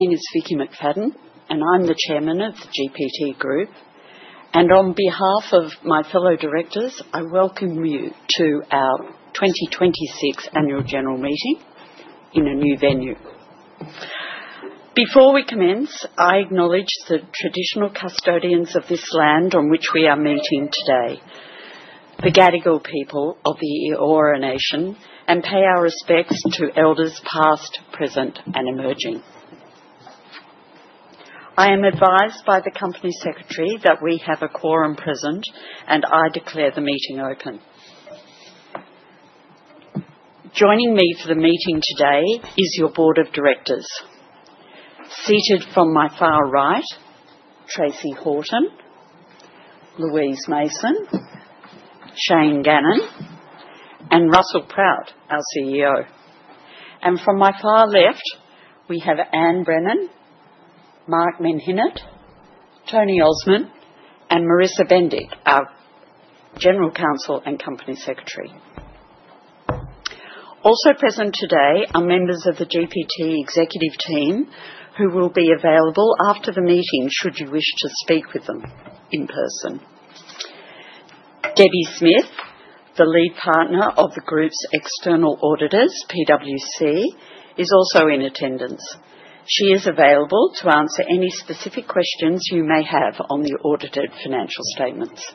My name is Vickki McFadden, and I'm the Chairman of The GPT Group. On behalf of my fellow Directors, I welcome you to our 2026 Annual General Meeting in a new venue. Before we commence, I acknowledge the traditional custodians of this land on which we are meeting today, the Gadigal people of the Eora Nation, and pay our respects to elders past, present, and emerging. I am advised by the Company Secretary that we have a quorum present, and I declare the meeting open. Joining me for the meeting today is your Board of Directors. Seated from my far right, Tracey Horton, Louise Mason, Shane Gannon, and Russell Proutt, our CEO. From my far left, we have Anne Brennan, Mark Menhinnitt, Tony Osmond, and Marissa Bendyk, our General Counsel and Company Secretary. Also present today are members of the GPT Executive Team who will be available after the meeting should you wish to speak with them in person. Debbie Smith, the Lead Partner of the Group's external auditors, PwC, is also in attendance. She is available to answer any specific questions you may have on the audited financial statements.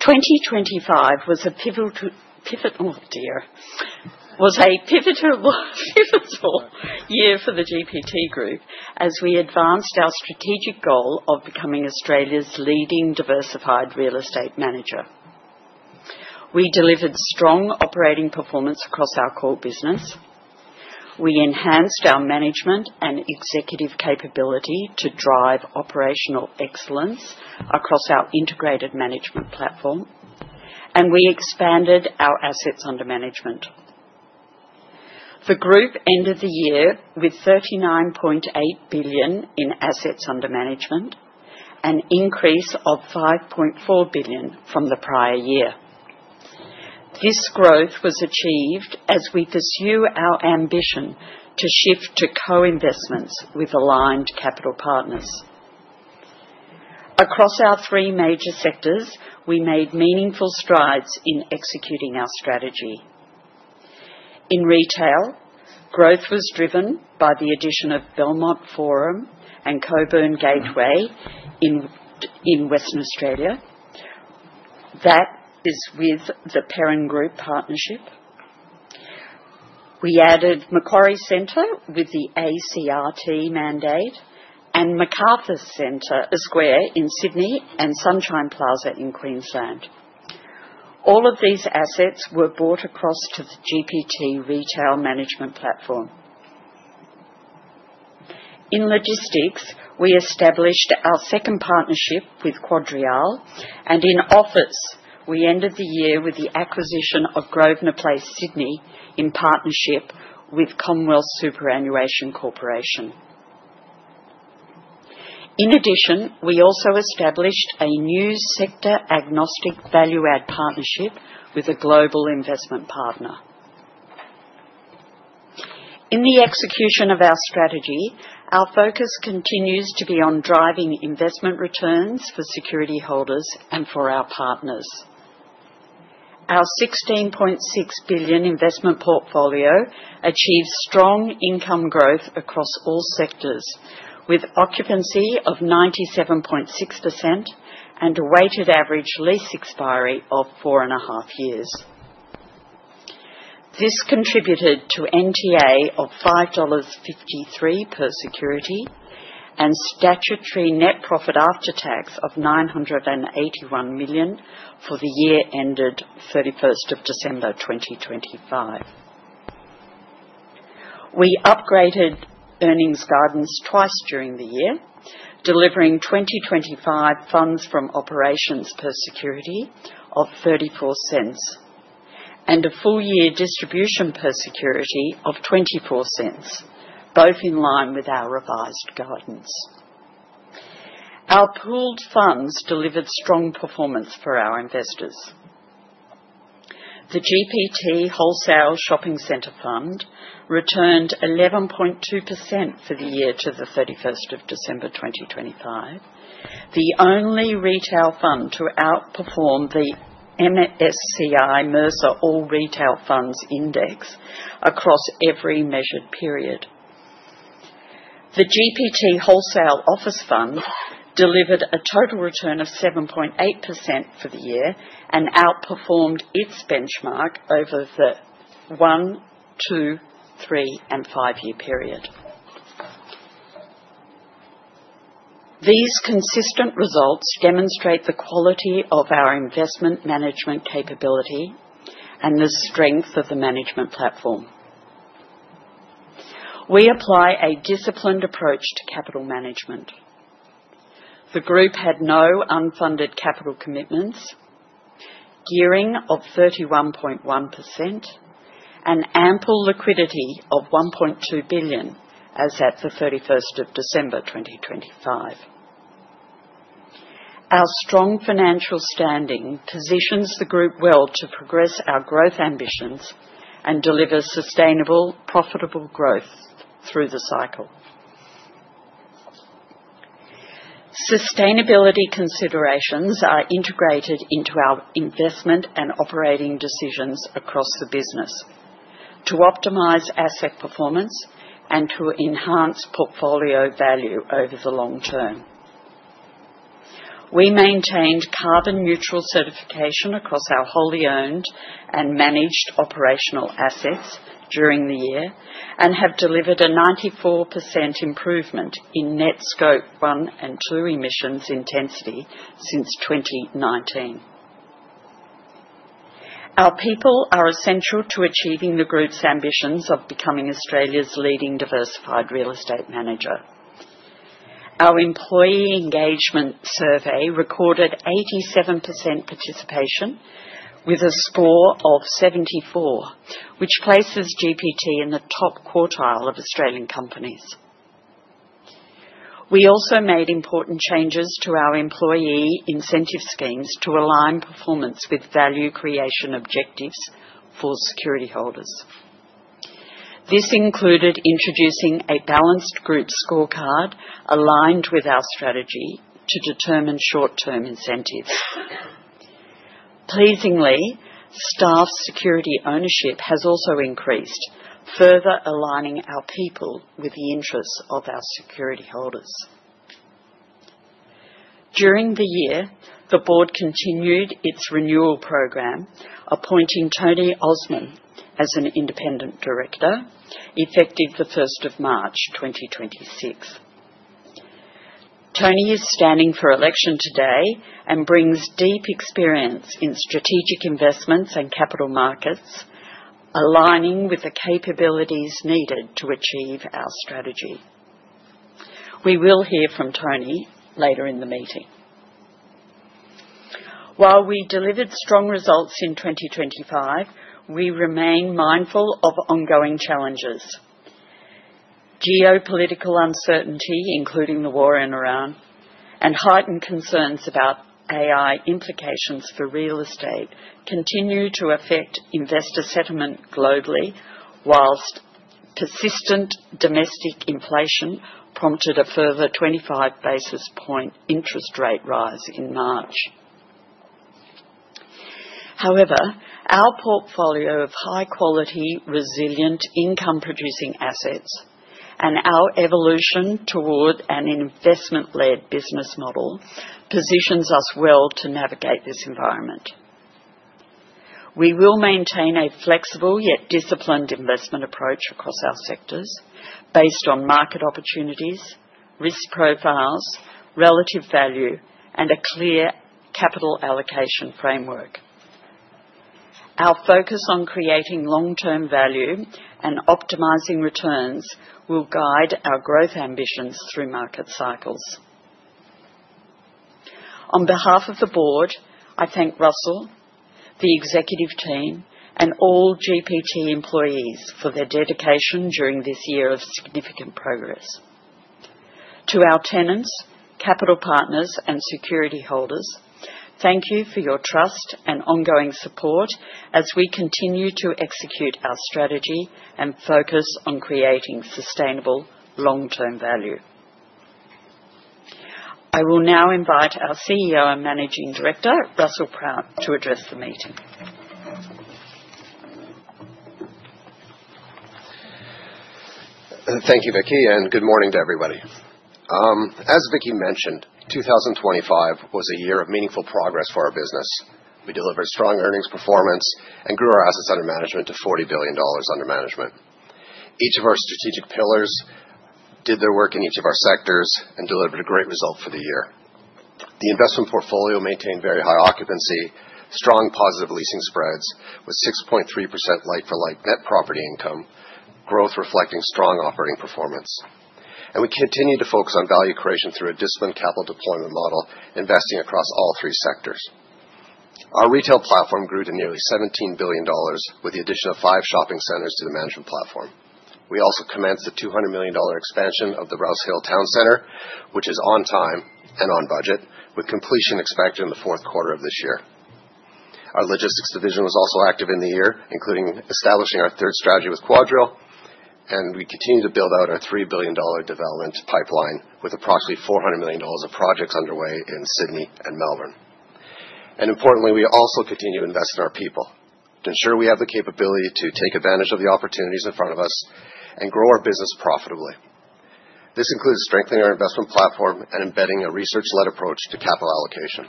2025 was a pivotal year for The GPT Group as we advanced our strategic goal of becoming Australia's leading diversified real estate manager. We delivered strong operating performance across our core business. We enhanced our management and executive capability to drive operational excellence across our integrated management platform, and we expanded our assets under management. The Group ended the year with 39.8 billion in assets under management, an increase of 5.4 billion from the prior year. This growth was achieved as we pursue our ambition to shift to co-investments with aligned capital partners. Across our three major sectors, we made meaningful strides in executing our strategy. In retail, growth was driven by the addition of Belmont Forum and Cockburn Gateway in Western Australia. That is with the Perron Group partnership. We added Macquarie Centre with the ACRT mandate and Macarthur Square in Sydney and Sunshine Plaza in Queensland. All of these assets were brought across to the GPT retail management platform. In logistics, we established our second partnership with QuadReal. In office, we ended the year with the acquisition of Grosvenor Place, Sydney in partnership with Commonwealth Superannuation Corporation. In addition, we also established a new sector-agnostic value-add partnership with a global investment partner. In the execution of our strategy, our focus continues to be on driving investment returns for security holders and for our partners. Our 16.6 billion investment portfolio achieves strong income growth across all sectors, with occupancy of 97.6% and a weighted average lease expiry of four and a half years. This contributed to NTA of 5.53 dollars per security and statutory net profit after tax of 981 million for the year ended 31st of December 2025. We upgraded earnings guidance twice during the year, delivering 2025 Funds from Operations per security of 0.34 and a full year distribution per security of 0.24, both in line with our revised guidance. Our pooled funds delivered strong performance for our investors. The GPT Wholesale Shopping Centre Fund returned 11.2% for the year to the 31st of December 2025, the only retail fund to outperform the MSCI/Mercer All Retail Funds Index across every measured period. The GPT Wholesale Office Fund delivered a total return of 7.8% for the year and outperformed its benchmark over the one, two, three, and five-year period. These consistent results demonstrate the quality of our investment management capability and the strength of the management platform. We apply a disciplined approach to capital management. The Group had no unfunded capital commitments, gearing of 31.1%, and ample liquidity of 1.2 billion as at the 31st of December 2025. Our strong financial standing positions the Group well to progress our growth ambitions and deliver sustainable, profitable growth through the cycle. Sustainability considerations are integrated into our investment and operating decisions across the business to optimize asset performance and to enhance portfolio value over the long term. We maintained carbon-neutral certification across our wholly-owned and managed operational assets during the year, and have delivered a 94% improvement in Net Scope 1 and 2 emissions intensity since 2019. Our people are essential to achieving the Group's ambitions of becoming Australia's leading diversified real estate manager. Our employee engagement survey recorded 87% participation with a score of 74, which places GPT in the top quartile of Australian companies. We also made important changes to our employee incentive schemes to align performance with value creation objectives for security holders. This included introducing a balanced Group scorecard aligned with our strategy to determine short-term incentives. Pleasingly, staff security ownership has also increased, further aligning our people with the interests of our security holders. During the year, the Board continued its renewal program, appointing Tony Osmond as an Independent Director, effective the 1st of March 2026. Tony is standing for election today and brings deep experience in strategic investments and capital markets, aligning with the capabilities needed to achieve our strategy. We will hear from Tony later in the meeting. While we delivered strong results in 2025, we remain mindful of ongoing challenges. Geopolitical uncertainty, including the war in Ukraine, and heightened concerns about AI implications for real estate, continue to affect investor sentiment globally, whilst persistent domestic inflation prompted a further 25-basis point interest rate rise in March. However, our portfolio of high-quality, resilient income-producing assets and our evolution toward an investment-led business model positions us well to navigate this environment. We will maintain a flexible yet disciplined investment approach across our sectors based on market opportunities, risk profiles, relative value, and a clear capital allocation framework. Our focus on creating long-term value and optimizing returns will guide our growth ambitions through market cycles. On behalf of the Board, I thank Russell, the Executive Team, and all GPT employees for their dedication during this year of significant progress. To our tenants, capital partners, and security holders, thank you for your trust and ongoing support as we continue to execute our strategy and focus on creating sustainable long-term value. I will now invite our CEO and Managing Director, Russell Proutt, to address the meeting. Thank you, Vickki, and good morning to everybody. As Vickki mentioned, 2025 was a year of meaningful progress for our business. We delivered strong earnings performance and grew our assets under management to 40 billion dollars under management. Each of our strategic pillars did their work in each of our sectors and delivered a great result for the year. The investment portfolio maintained very high occupancy, strong positive leasing spreads with 6.3% like-for-like net property income growth, reflecting strong operating performance. We continue to focus on value creation through a disciplined capital deployment model, investing across all three sectors. Our retail platform grew to nearly 17 billion dollars with the addition of five shopping centers to the management platform. We also commenced the 200 million dollar expansion of the Rouse Hill Town Centre, which is on time and on budget, with completion expected in the fourth quarter of this year. Our Logistics division was also active in the year, including establishing our third strategy with QuadReal, and we continue to build out our 3 billion dollar development pipeline with approximately 400 million dollars of projects underway in Sydney and Melbourne. Importantly, we also continue to invest in our people to ensure we have the capability to take advantage of the opportunities in front of us and grow our business profitably. This includes strengthening our investment platform and embedding a research-led approach to capital allocation.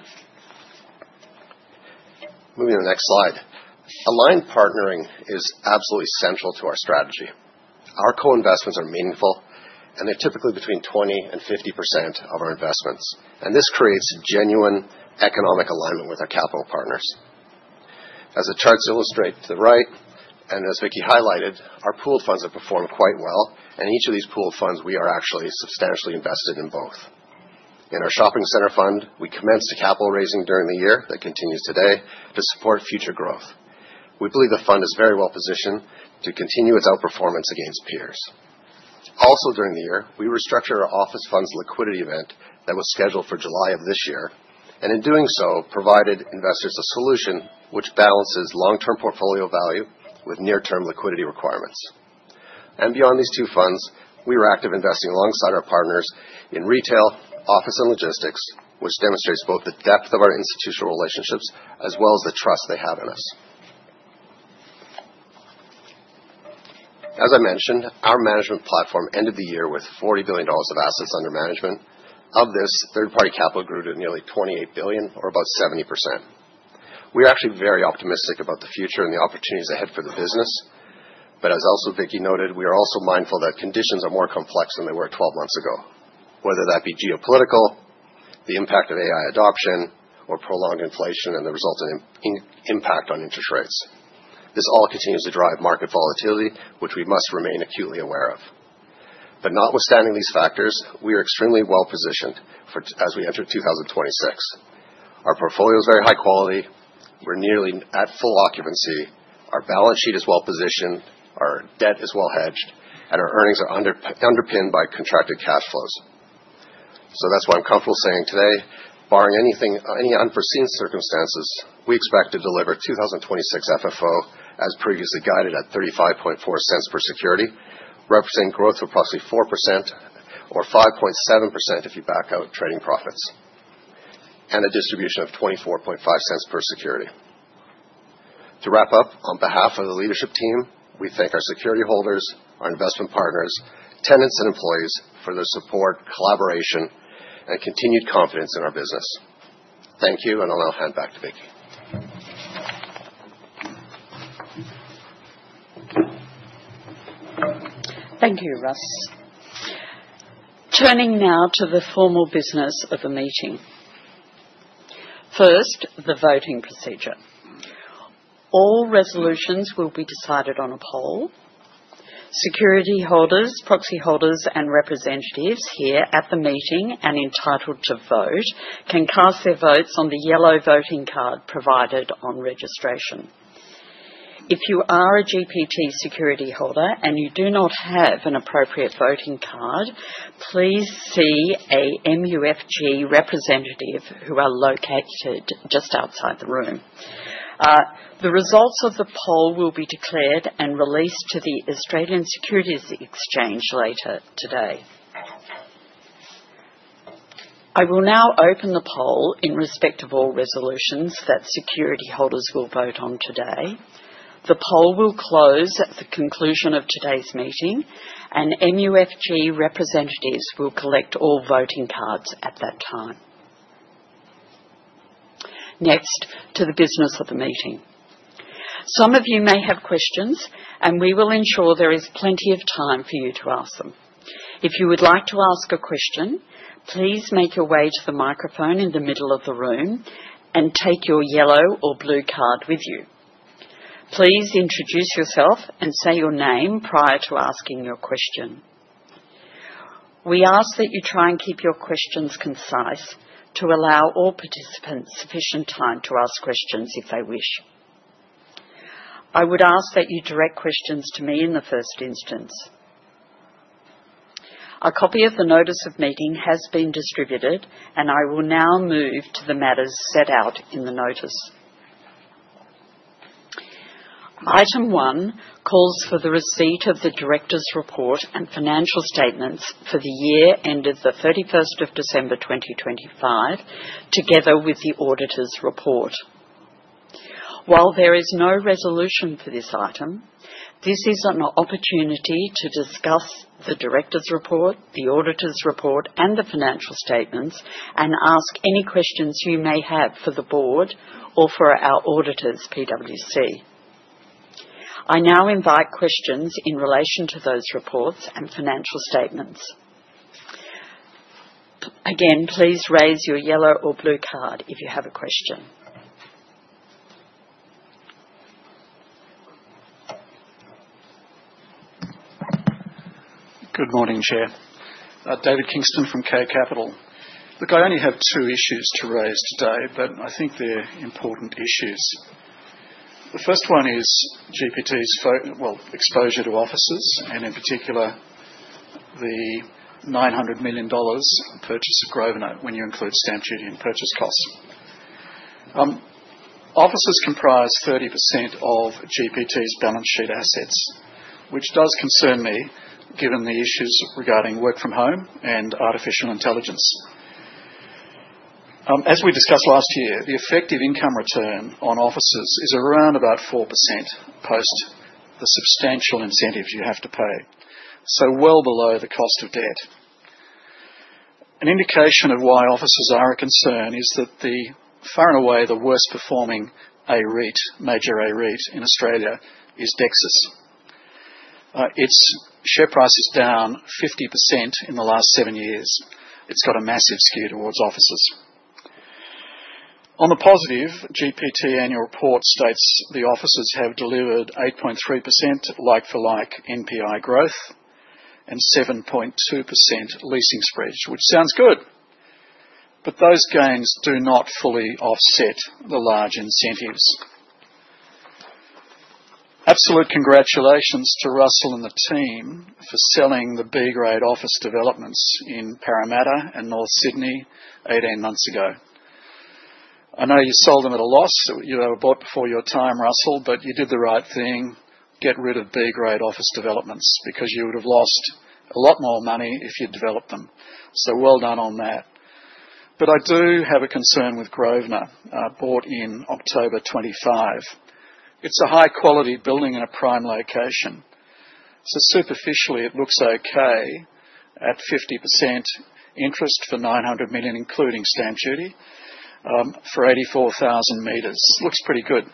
Moving to the next slide. Aligned partnering is absolutely central to our strategy. Our co-investments are meaningful, and they're typically between 20% and 50% of our investments, and this creates genuine economic alignment with our capital partners. As the charts illustrate to the right, and as Vickki highlighted, our pooled funds have performed quite well, and each of these pooled funds, we are actually substantially invested in both. In our shopping center fund, we commenced a capital raising during the year that continues today to support future growth. We believe the fund is very well positioned to continue its outperformance against peers. Also during the year, we restructured our office fund's liquidity event that was scheduled for July of this year, and in doing so, provided investors a solution which balances long-term portfolio value with near-term liquidity requirements. Beyond these two funds, we were active investing alongside our partners in retail, office, and logistics, which demonstrates both the depth of our institutional relationships as well as the trust they have in us. As I mentioned, our management platform ended the year with 40 billion dollars of assets under management. Of this, third-party capital grew to nearly 28 billion or about 70%. We're actually very optimistic about the future and the opportunities ahead for the business. As also Vickki noted, we are also mindful that conditions are more complex than they were 12 months ago, whether that be geopolitical, the impact of AI adoption, or prolonged inflation and the resulting impact on interest rates. This all continues to drive market volatility, which we must remain acutely aware of. Notwithstanding these factors, we are extremely well-positioned as we enter 2026. Our portfolio is very high quality. We're nearly at full occupancy. Our balance sheet is well-positioned, our debt is well hedged, and our earnings are underpinned by contracted cash flows. That's why I'm comfortable saying today, barring any unforeseen circumstances, we expect to deliver 2026 FFO as previously guided at 0.354 per security, representing growth of approximately 4% or 5.7% if you back out trading profits, and a distribution of 0.245 per security. To wrap up, on behalf of the leadership team, we thank our security holders, our investment partners, tenants, and employees for their support, collaboration, and continued confidence in our business. Thank you, and I'll now hand back to Vickki. Thank you, Russ. Turning now to the formal business of the meeting. First, the voting procedure. All resolutions will be decided on a poll. Security holders, proxy holders, and representatives here at the meeting and entitled to vote can cast their votes on the yellow voting card provided on registration. If you are a GPT security holder and you do not have an appropriate voting card, please see a MUFG representative who are located just outside the room. The results of the poll will be declared and released to the Australian Securities Exchange later today. I will now open the poll in respect of all resolutions that security holders will vote on today. The poll will close at the conclusion of today's meeting, and MUFG representatives will collect all voting cards at that time. Next, to the business of the meeting. Some of you may have questions, and we will ensure there is plenty of time for you to ask them. If you would like to ask a question, please make your way to the microphone in the middle of the room and take your yellow or blue card with you. Please introduce yourself and say your name prior to asking your question. We ask that you try and keep your questions concise to allow all participants sufficient time to ask questions if they wish. I would ask that you direct questions to me in the first instance. A copy of the Notice of Meeting has been distributed, and I will now move to the matters set out in the Notice. Item 1 calls for the receipt of the Directors' Report and Financial Statements for the year ended the 31st of December 2025, together with the Auditors' Report. While there is no resolution for this item, this is an opportunity to discuss the directors' report, the auditors' report, and the financial statements and ask any questions you may have for the board or for our auditors, PwC. I now invite questions in relation to those reports and financial statements. Again, please raise your yellow or blue card if you have a question. Good morning, Chair. David Kingston from K Capital. Look, I only have two issues to raise today, but I think they're important issues. The first one is GPT's exposure to offices, and in particular, the 900 million dollars purchase of Grosvenor when you include stamp duty and purchase costs. Offices comprise 30% of GPT's balance sheet assets, which does concern me given the issues regarding work from home and artificial intelligence. As we discussed last year, the effective income return on offices is around about 4% post the substantial incentives you have to pay, well below the cost of debt. An indication of why offices are a concern is that by far away the worst-performing major AREIT in Australia is Dexus. Its share price is down 50% in the last seven years. It's got a massive skew towards offices. On the positive, GPT Annual Report states the offices have delivered 8.3% like-for-like NPI growth and 7.2% leasing spreads, which sounds good. Those gains do not fully offset the large incentives. Absolute congratulations to Russell and the team for selling the B-grade office developments in Parramatta and North Sydney 18 months ago. I know you sold them at a loss. You were bought before your time, Russell, but you did the right thing. Get rid of B-grade office developments because you would have lost a lot more money if you'd developed them. Well done on that. I do have a concern with Grosvenor, bought in October 25. It's a high quality building in a prime location. Superficially it looks okay at 50% interest for 900 million, including stamp duty, for 84,000 m. Looks pretty good.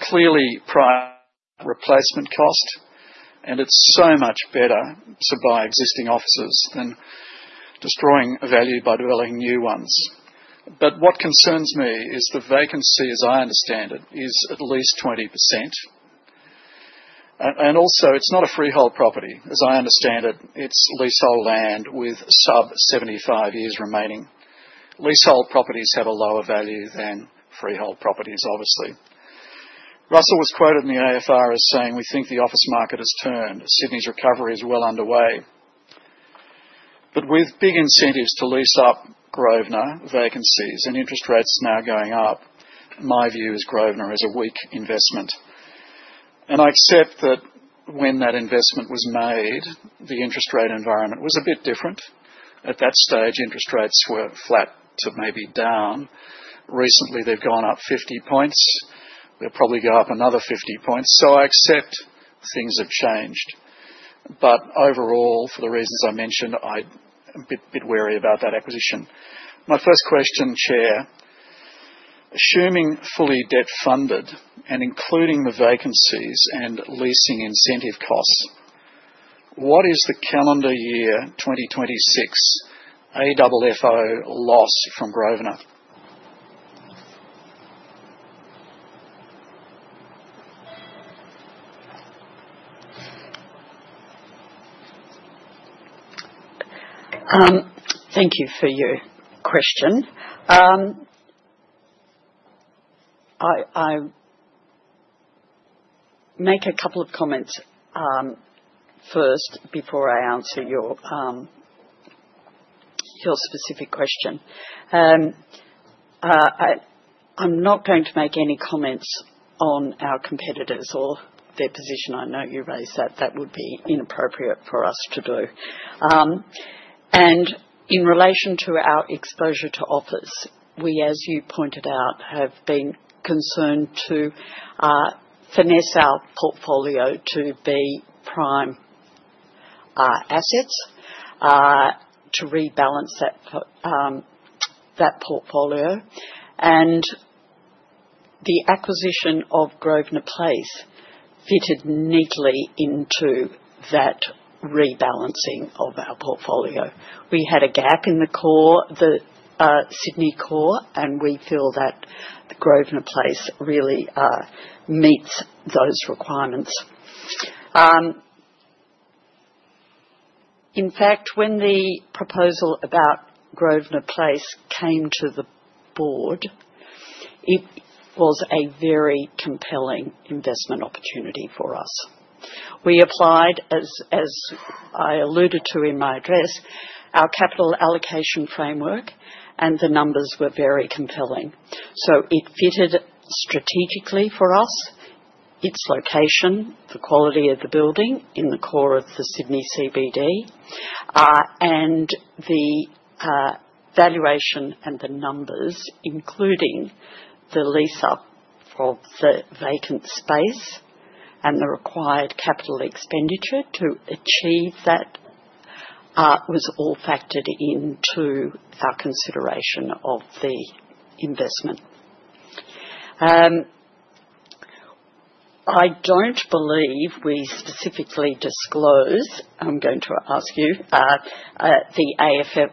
Clearly replacement cost, and it's so much better to buy existing offices than destroying value by building new ones. What concerns me is the vacancy, as I understand it, is at least 20%. It's not a freehold property, as I understand it. It's leasehold land with sub 75 years remaining. Leasehold properties have a lower value than freehold properties, obviously. Russell was quoted in the AFR as saying, "We think the office market has turned. Sydney's recovery is well underway." With big incentives to lease up Grosvenor vacancies and interest rates now going up, my view is Grosvenor is a weak investment. I accept that when that investment was made, the interest rate environment was a bit different. At that stage, interest rates were flat to maybe down. Recently, they've gone up 50 points. They'll probably go up another 50 points. I accept things have changed. Overall, for the reasons I mentioned, I'm a bit wary about that acquisition. My first question, Chair, assuming fully debt-funded and including the vacancies and leasing incentive costs, what is the calendar year 2026 AFFO loss from Grosvenor? Thank you for your question. I make a couple of comments first before I answer your specific question. I'm not going to make any comments on our competitors or their position. I know you raised that. That would be inappropriate for us to do. In relation to our exposure to office, we, as you pointed out, have been concerned to finesse our portfolio to be prime assets, to rebalance that portfolio. The acquisition of Grosvenor Place fitted neatly into that rebalancing of our portfolio. We had a gap in the Sydney core, and we feel that Grosvenor Place really meets those requirements. In fact, when the proposal about Grosvenor Place came to the Board, it was a very compelling investment opportunity for us. We applied, as I alluded to in my address, our capital allocation framework, and the numbers were very compelling. It fitted strategically for us. Its location, the quality of the building in the core of the Sydney CBD, and the valuation and the numbers, including the lease-up of the vacant space and the required capital expenditure to achieve that, was all factored into our consideration of the investment. I don't believe we specifically disclose, I'm going to ask you, the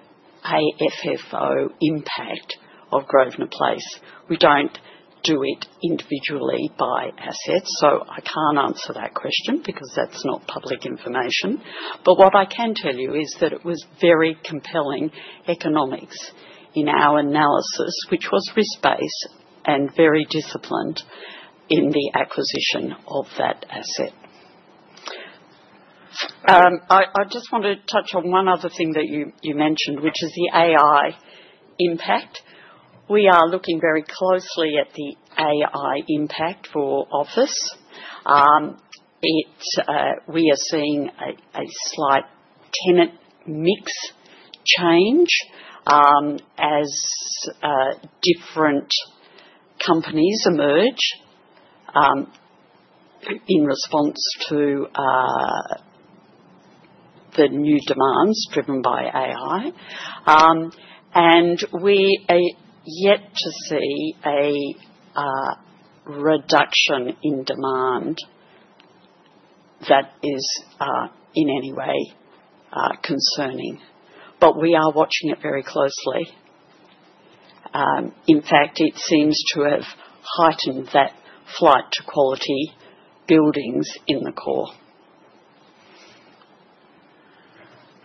AFFO impact of Grosvenor Place. We don't do it individually by assets, so I can't answer that question because that's not public information. What I can tell you is that it was very compelling economics in our analysis, which was risk-based and very disciplined in the acquisition of that asset. I just want to touch on one other thing that you mentioned, which is the AI impact. We are looking very closely at the AI impact for office. We are seeing a slight tenant mix change as different companies emerge in response to the new demands driven by AI. We are yet to see a reduction in demand that is in any way concerning. We are watching it very closely. In fact, it seems to have heightened that flight to quality buildings in the core.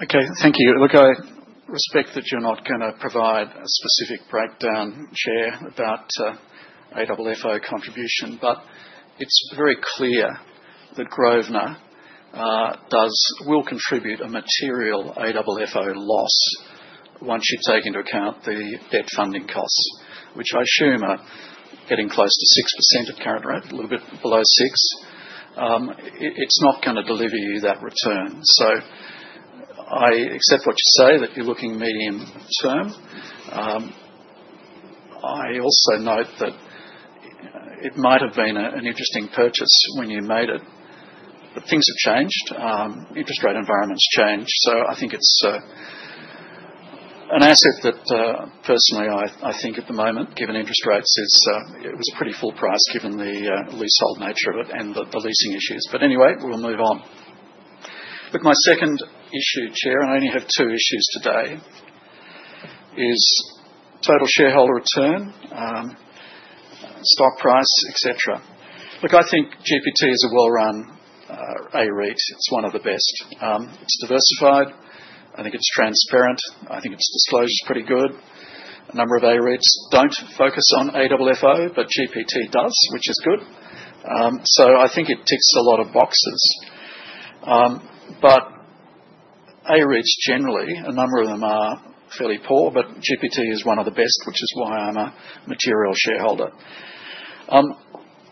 Okay, thank you. Look, I respect that you're not going to provide a specific breakdown, Chair, about AFFO contribution. It's very clear that Grosvenor will contribute a material AFFO loss once you take into account the debt funding costs, which I assume are getting close to 6% at current rate, a little bit below six. It's not going to deliver you that return. I accept what you say, that you're looking medium-term. I also note that it might have been an interesting purchase when you made it, but things have changed. Interest rate environment's changed. I think it's an asset that personally, I think at the moment, given interest rates, it was a pretty full price given the leasehold nature of it and the leasing issues. Anyway, we'll move on. Look, my second issue, Chair, and I only have two issues today, is total shareholder return, stock price, et cetera. Look, I think GPT is a well-run AREIT. It's one of the best. It's diversified. I think it's transparent. I think its disclosure's pretty good. A number of AREITs don't focus on AFFO, but GPT does, which is good. I think it ticks a lot of boxes. AREITs generally, a number of them are fairly poor, but GPT is one of the best, which is why I'm a material shareholder.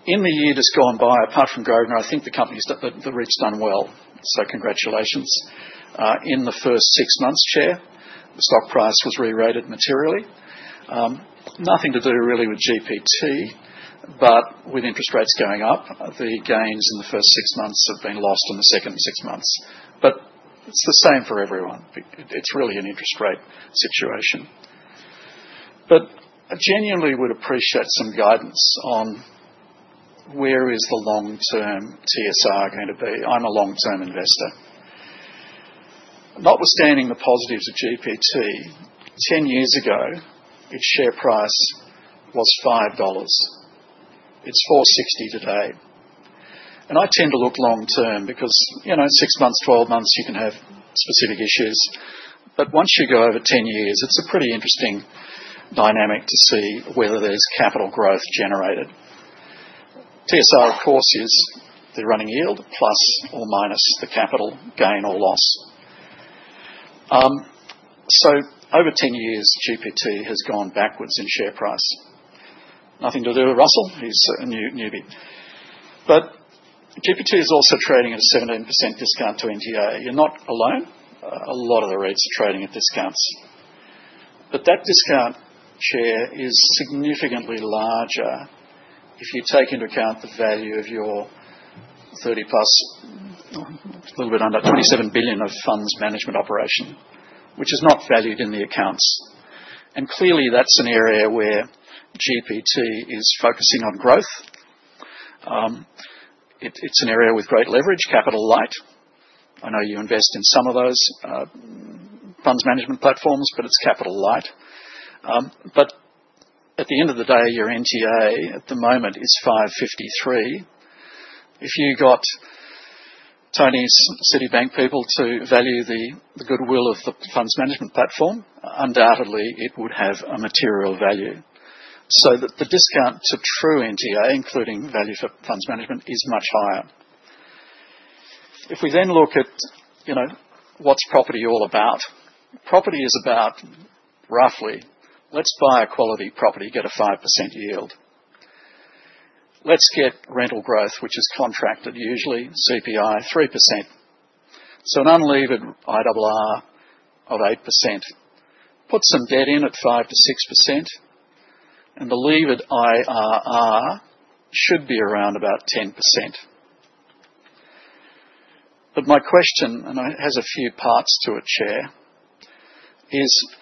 In the year that's gone by, apart from Grosvenor, I think the company, the REIT's done well, so congratulations. In the first six months, Chair, the stock price was rerated materially. Nothing to do really with GPT, but with interest rates going up, the gains in the first six months have been lost in the second six months. It's the same for everyone. It's really an interest rate situation. I genuinely would appreciate some guidance on where is the long-term TSR going to be. I'm a long-term investor. Notwithstanding the positives of GPT, 10 years ago, its share price was 5 dollars. It's 4.60 today. I tend to look long-term because six months, 12 months, you can have specific issues. Once you go over 10 years, it's a pretty interesting dynamic to see whether there's capital growth generated. TSR, of course, is the running yield plus or minus the capital gain or loss. Over 10 years, GPT has gone backwards in share price. Nothing to do with Russell, he's a newbie. GPT is also trading at a 17% discount to NTA. You're not alone. A lot of the REITs are trading at discounts. That discount, Chair, is significantly larger if you take into account the value of your 30+, a little bit under 27 billion of Funds Management operation, which is not valued in the accounts. Clearly that's an area where GPT is focusing on growth. It's an area with great leverage, capital light. I know you invest in some of those Funds Management platforms, but it's capital light. At the end of the day, your NTA at the moment is 5.53. If you got Tony's Citibank people to value the goodwill of the Funds Management platform, undoubtedly it would have a material value. That the discount to true NTA, including value for Funds Management, is much higher. If we then look at, what's property all about? Property is about roughly, let's buy a quality property, get a 5% yield. Let's get rental growth, which is contracted, usually CPI 3%. An unlevered IRR of 8%. Put some debt in at 5%-6%, and the levered IRR should be around about 10%. My question, and it has a few parts to it, Chair, is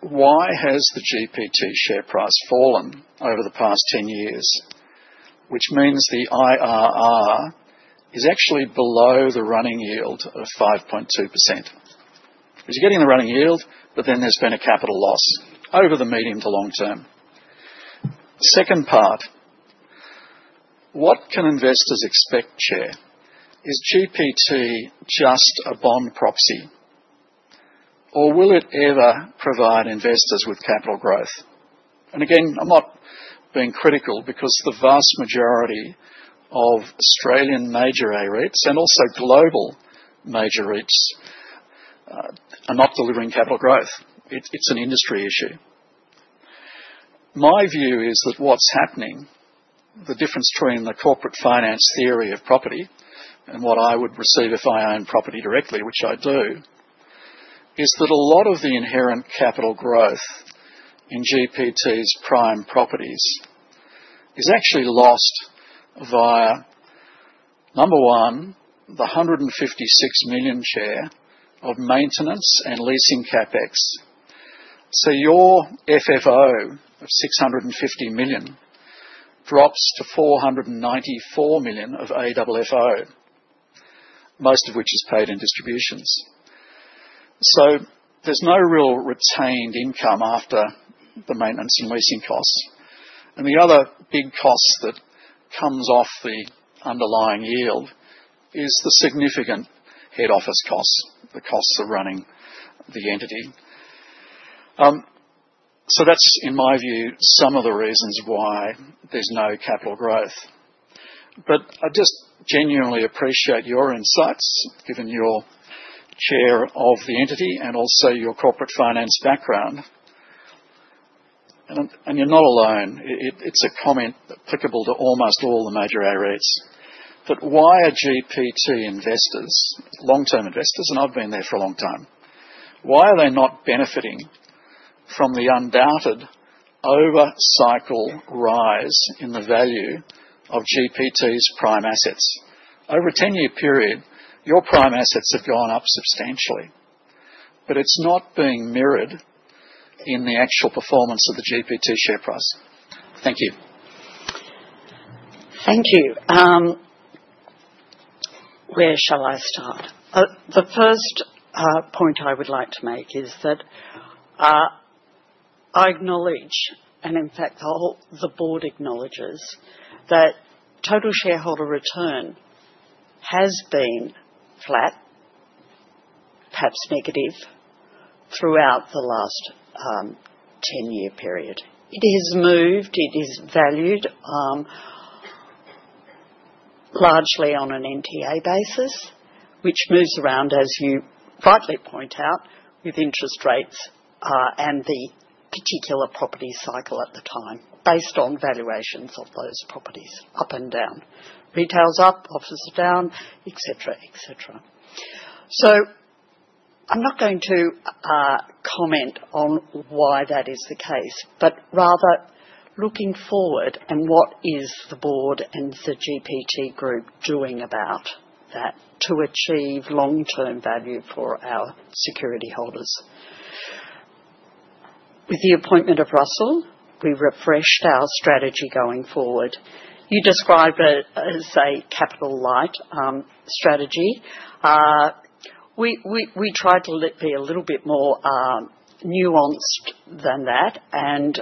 why has the GPT share price fallen over the past 10 years? Which means the IRR is actually below the running yield of 5.2%. Because you're getting the running yield, but then there's been a capital loss over the medium to long term. Second part, what can investors expect, Chair? Is GPT just a bond proxy? Will it ever provide investors with capital growth? Again, I'm not being critical because the vast majority of Australian major AREITs and also global major REITs are not delivering capital growth. It's an industry issue. My view is that what's happening, the difference between the corporate finance theory of property and what I would receive if I own property directly, which I do, is that a lot of the inherent capital growth in GPT's prime properties is actually lost via, number one, the 156 million share of maintenance and leasing CapEx. Your FFO of 650 million drops to 494 million of AFFO, most of which is paid in distributions. There's no real retained income after the maintenance and leasing costs. The other big cost that comes off the underlying yield is the significant head office costs, the costs of running the entity. That's, in my view, some of the reasons why there's no capital growth. I just genuinely appreciate your insights, given you're Chair of the entity and also your corporate finance background. You're not alone. It's a comment applicable to almost all the major AREITs. Why are GPT investors, long-term investors, and I've been there for a long time, why are they not benefiting from the undoubted over-cycle rise in the value of GPT's prime assets? Over a 10-year period, your prime assets have gone up substantially, but it's not being mirrored in the actual performance of the GPT share price. Thank you. Thank you. Where shall I start? The first point I would like to make is that I acknowledge, and in fact the whole Board acknowledges, that total shareholder return has been flat, perhaps negative, throughout the last 10-year period. It has moved, it is valued, largely on an NTA basis, which moves around, as you rightly point out, with interest rates, and the particular property cycle at the time, based on valuations of those properties up and down. Retail's up, office is down, et cetera. I'm not going to comment on why that is the case, but rather looking forward and what is the Board and The GPT Group doing about that to achieve long-term value for our security holders. With the appointment of Russell, we refreshed our strategy going forward. You describe it as a capital-light strategy. We try to be a little bit more nuanced than that and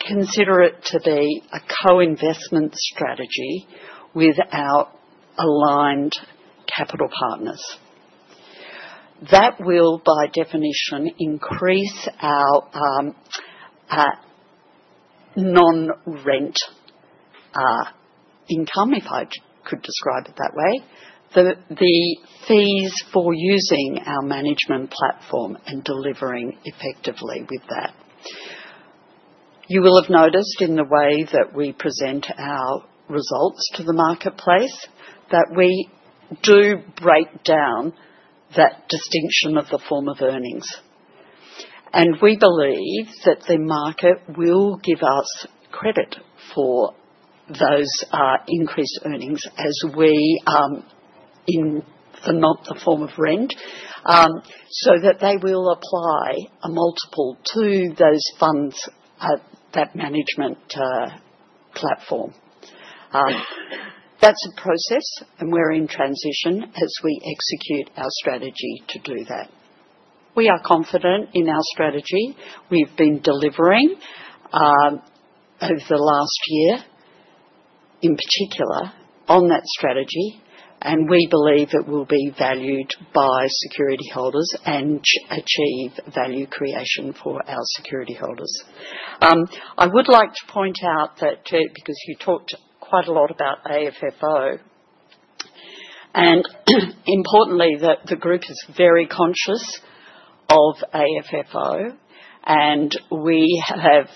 consider it to be a co-investment strategy with our aligned capital partners. That will, by definition, increase our non-rent income, if I could describe it that way, the fees for using our management platform and delivering effectively with that. You will have noticed in the way that we present our results to the marketplace, that we do break down that distinction of the form of earnings. We believe that the market will give us credit for those increased earnings, as being not in the form of rent, so that they will apply a multiple to those funds at that management platform. That's a process, and we're in transition as we execute our strategy to do that. We are confident in our strategy. We've been delivering over the last year, in particular on that strategy, and we believe it will be valued by security holders and achieve value creation for our security holders. I would like to point out that too, because you talked quite a lot about AFFO, and importantly, that the Group is very conscious of AFFO, and we have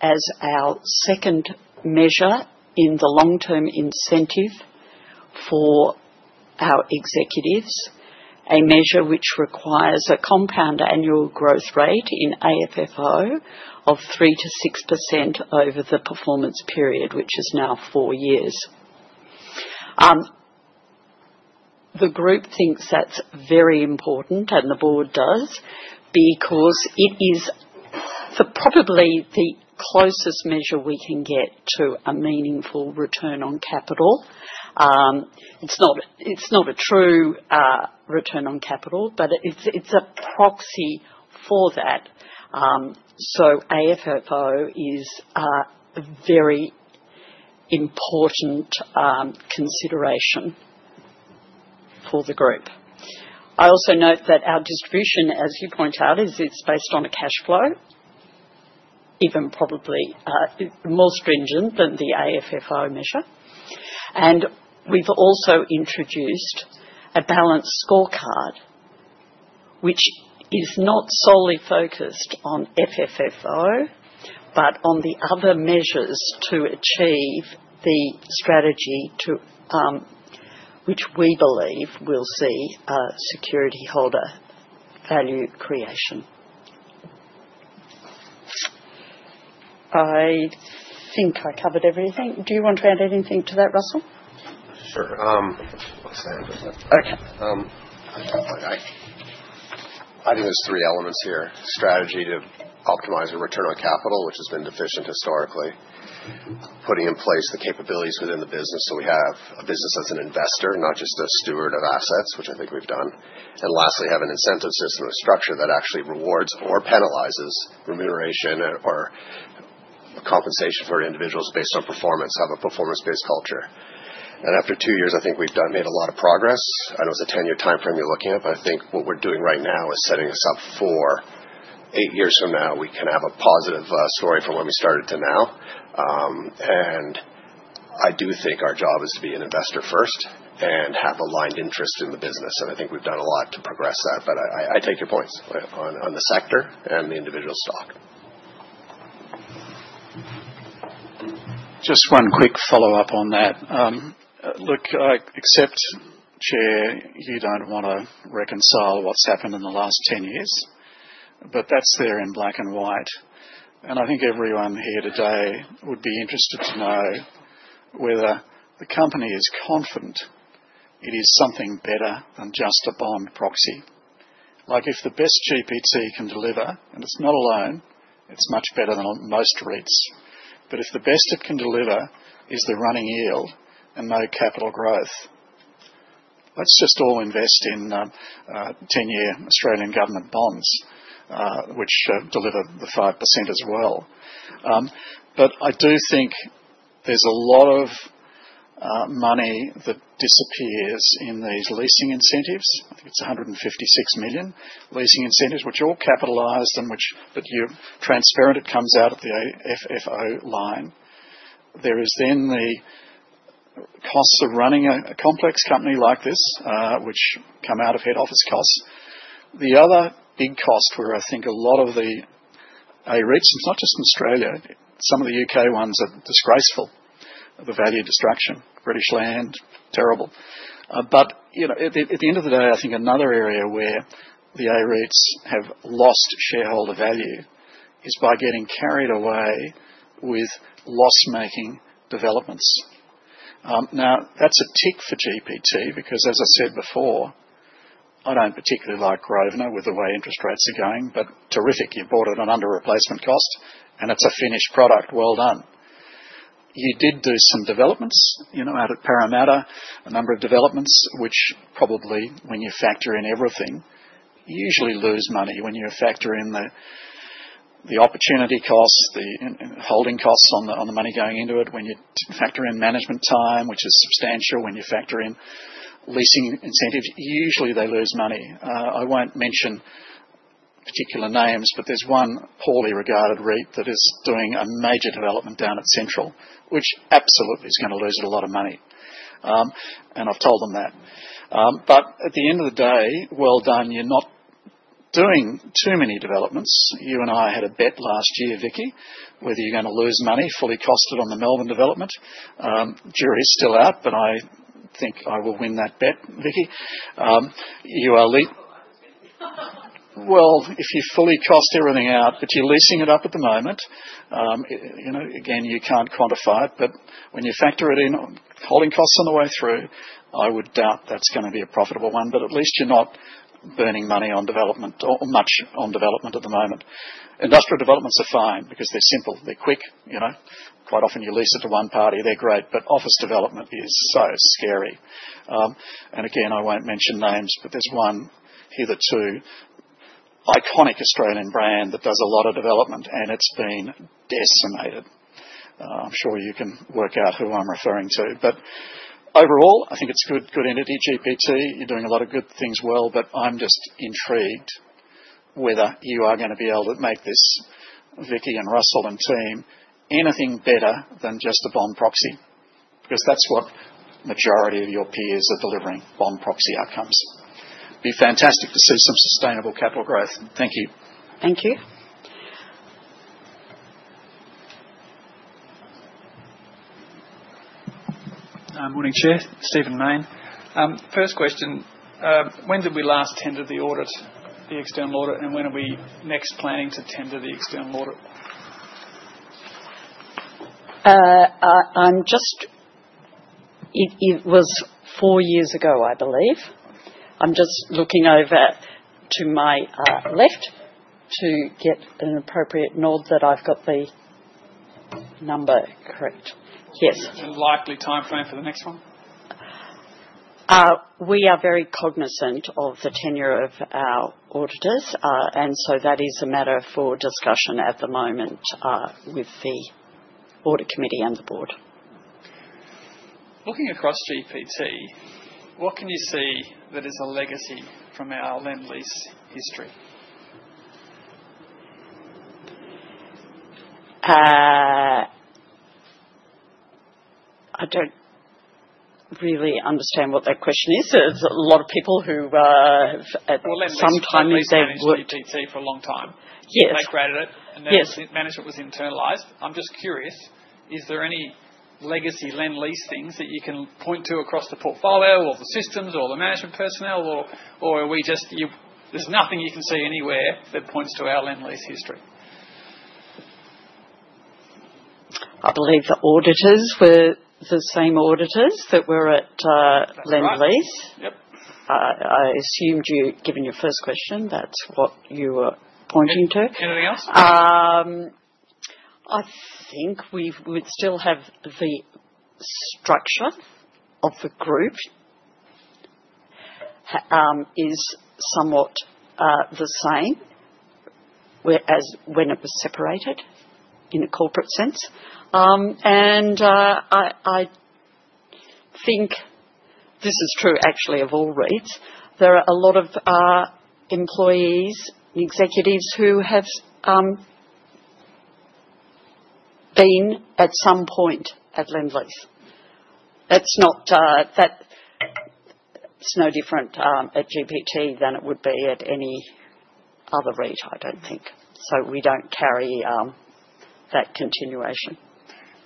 as our second measure in the long-term incentive for our Executives, a measure which requires a compound annual growth rate in AFFO of 3%-6% over the performance period, which is now four years. The Group thinks that's very important, and the Board does, because it is probably the closest measure we can get to a meaningful return on capital. It's not a true return on capital, but it's a proxy for that. AFFO is a very important consideration for the Group. I also note that our distribution, as you point out, is based on a cash flow, even probably more stringent than the AFFO measure. We've also introduced a balanced scorecard, which is not solely focused on FFO, but on the other measures to achieve the strategy, which we believe will see security holder value creation. I think I covered everything. Do you want to add anything to that, Russell? Sure. Okay. I think there's three elements here. Strategy to optimize the return on capital, which has been deficient historically. Putting in place the capabilities within the business, so we have a business as an investor, not just a steward of assets, which I think we've done. Lastly, have an incentive system and structure that actually rewards or penalizes remuneration or compensation for individuals based on performance, have a performance-based culture. After two years, I think we've made a lot of progress. I know it's a 10-year timeframe you're looking at, but I think what we're doing right now is setting us up for eight years from now, we can have a positive story from where we started to now. I do think our job is to be an investor first and have aligned interest in the business, and I think we've done a lot to progress that. I take your points on the sector and the individual stock. Just one quick follow-up on that. Look, I accept, Chair, you don't want to reconcile what's happened in the last 10 years, but that's there in black and white. I think everyone here today would be interested to know whether the company is confident it is something better than just a bond proxy. Like if the best GPT can deliver, and it's not alone, it's much better than most REITs. If the best it can deliver is the running yield and no capital growth, let's just all invest in 10-year Australian government bonds, which deliver the 5% as well. I do think there's a lot of money that disappears in these leasing incentives. I think it's 156 million leasing incentives, which all capitalized but you're transparent, it comes out at the FFO line. There is then the costs of running a complex company like this, which come out of head office costs. The other big cost where I think a lot of the AREITs, it's not just in Australia, some of the U.K. ones are disgraceful of the value destruction. British Land, terrible. At the end of the day, I think another area where the AREITs have lost shareholder value is by getting carried away with loss-making developments. Now, that's a tick for GPT because, as I said before, I don't particularly like Grosvenor with the way interest rates are going, but terrific, you bought it on under replacement cost and it's a finished product. Well done. You did do some developments out at Parramatta. A number of developments, which probably when you factor in everything, you usually lose money when you factor in the opportunity costs, the holding costs on the money going into it. When you factor in management time, which is substantial, when you factor in leasing incentives, usually they lose money. I won't mention particular names, but there's one poorly regarded REIT that is doing a major development down at Central, which absolutely is going to lose it a lot of money, and I've told them that. At the end of the day, well done. You're not doing too many developments. You and I had a bet last year, Vickki, whether you're going to lose money fully costed on the Melbourne development. Jury is still out, but I think I will win that bet, Vickki. Well, if you fully cost everything out, but you're leasing it up at the moment. Again, you can't quantify it, but when you factor it in, holding costs on the way through, I would doubt that's going to be a profitable one. At least you're not burning money on development or much on development at the moment. Industrial developments are fine because they're simple, they're quick. Quite often you lease it to one party, they're great. Office development is so scary. Again, I won't mention names, but there's one hitherto iconic Australian brand that does a lot of development, and it's been decimated. I'm sure you can work out who I'm referring to. Overall, I think it's good entity, GPT. You're doing a lot of good things well, but I'm just intrigued whether you are going to be able to make this, Vickki and Russell and team, anything better than just a bond proxy, because that's what majority of your peers are delivering, bond proxy outcomes. It would be fantastic to see some sustainable capital growth. Thank you. Thank you. Morning, Chair. Stephen Mayne. First question, when did we last tender the audit, the external audit, and when are we next planning to tender the external audit? It was four years ago, I believe. I'm just looking over to my left to get an appropriate nod that I've got the number correct. Yes. Likely timeframe for the next one? We are very cognizant of the tenure of our auditors, and so that is a matter for discussion at the moment with the Audit Committee and the Board. Looking across GPT, what can you see that is a legacy from our Lendlease history? I don't really understand what that question is. There's a lot of people who have at some time. Well, Lendlease managed GPT for a long time. Yes. They created it. Yes. Management was internalized. I'm just curious, is there any legacy Lendlease things that you can point to across the portfolio or the systems or the management personnel? There's nothing you can see anywhere that points to our Lendlease history? I believe the auditors were the same auditors that were at Lendlease. That's right. Yep. I assumed, given your first question, that's what you were pointing to. Anything else? I think we would still have the structure of the group is somewhat the same whereas when it was separated in a corporate sense. I think this is true actually of all REITs. There are a lot of employees, executives who have been at some point at Lendlease. It's no different at GPT than it would be at any other REIT, I don't think. We don't carry that continuation.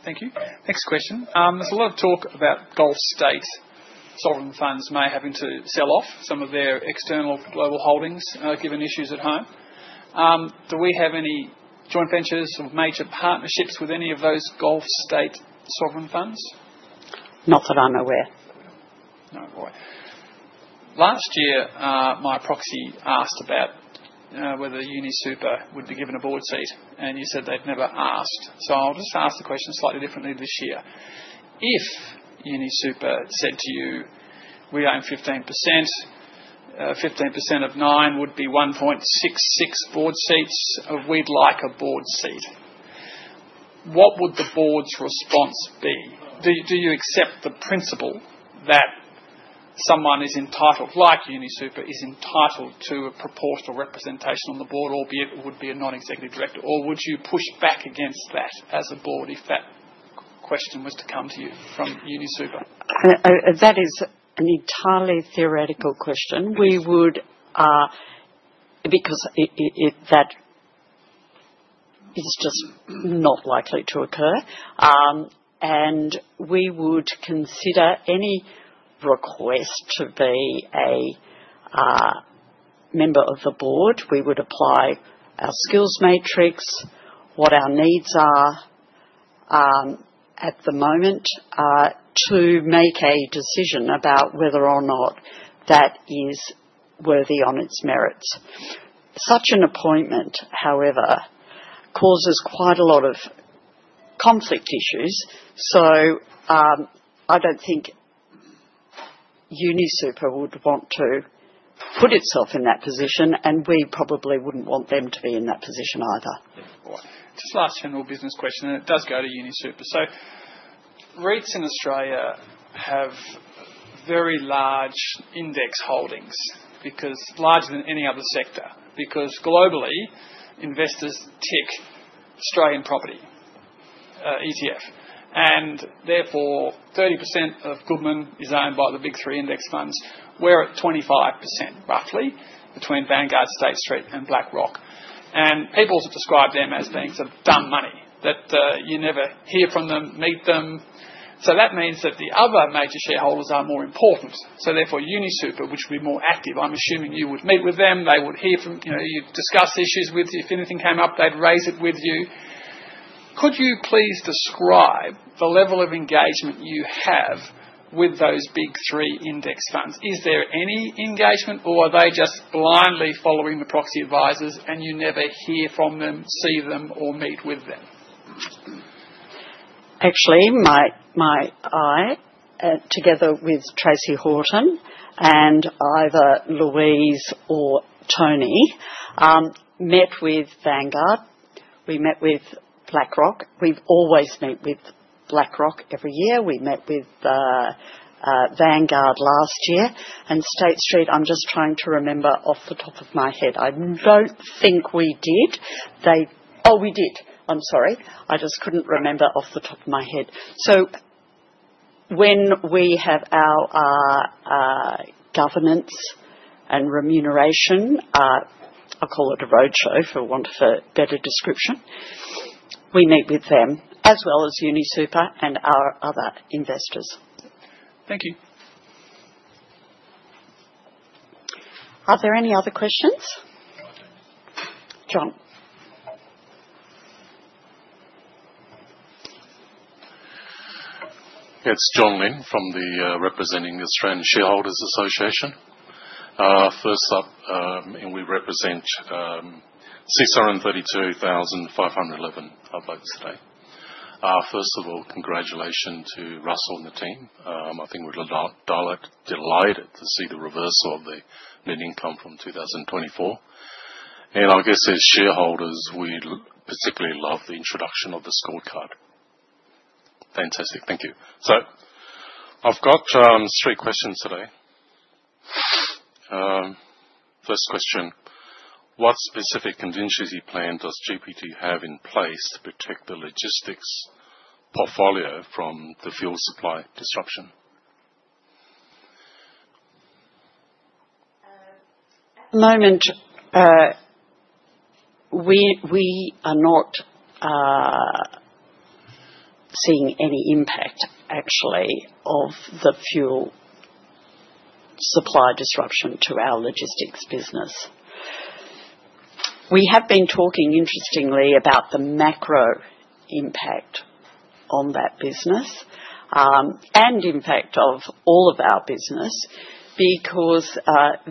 Thank you. Next question. There's a lot of talk about Gulf state sovereign funds may having to sell off some of their external global holdings given issues at home. Do we have any joint ventures or major partnerships with any of those Gulf state sovereign funds? Not that I'm aware. No. Right. Last year, my proxy asked about whether UniSuper would be given a Board seat, and you said they'd never asked. I'll just ask the question slightly differently this year. If UniSuper said to you, "We own 15%. 15% of nine would be 1.66 Board seats. We'd like a Board seat." What would the Board's response be? Do you accept the principle that someone, like UniSuper, is entitled to a proportional representation on the Board, albeit it would be a Non-Executive Director? Would you push back against that as a Board if that question was to come to you from UniSuper? That is an entirely theoretical question. Yes. Because that is just not likely to occur. We would consider any request to be a member of the Board. We would apply our skills matrix, what our needs are at the moment, to make a decision about whether or not that is worthy on its merits. Such an appointment, however, causes quite a lot of conflict issues. I don't think UniSuper would want to put itself in that position, and we probably wouldn't want them to be in that position either. Yeah. All right. Just last general business question, and it does go to UniSuper. REITs in Australia have very large index holdings, because larger than any other sector, because globally, investors tick Australian property, ETF, and therefore 30% of Goodman is owned by the Big Three index funds. We're at 25%, roughly, between Vanguard, State Street, and BlackRock. People describe them as being some dumb money that you never hear from them, meet them. That means that the other major shareholders are more important. Therefore UniSuper, which will be more active, I'm assuming you would meet with them, they would hear from, you'd discuss issues with, if anything came up, they'd raise it with you. Could you please describe the level of engagement you have with those Big Three index funds? Is there any engagement, or are they just blindly following the proxy advisors and you never hear from them, see them or meet with them? Actually, I, together with Tracey Horton and either Louise or Tony, met with Vanguard. We met with BlackRock. We've always met with BlackRock every year. We met with Vanguard last year. State Street, I'm just trying to remember off the top of my head. I don't think we did. Oh, we did. I'm sorry. I just couldn't remember off the top of my head. When we have our governance and remuneration, I call it a roadshow for want of a better description, we meet with them as well as UniSuper and our other investors. Thank you. Are there any other questions? John. It's John Ling representing the Australian Shareholders' Association. First up, we represent 632,511 votes today. First of all, congratulations to Russell and the team. I think we're delighted to see the reversal of the net income from 2024. I guess as shareholders, we particularly love the introduction of the scorecard. Fantastic. Thank you. I've got three questions today. First question, what specific contingency plan does GPT have in place to protect the logistics portfolio from the fuel supply disruption? At the moment, we are not seeing any impact actually of the fuel supply disruption to our logistics business. We have been talking interestingly about the macro impact on that business, and impact of all of our business, because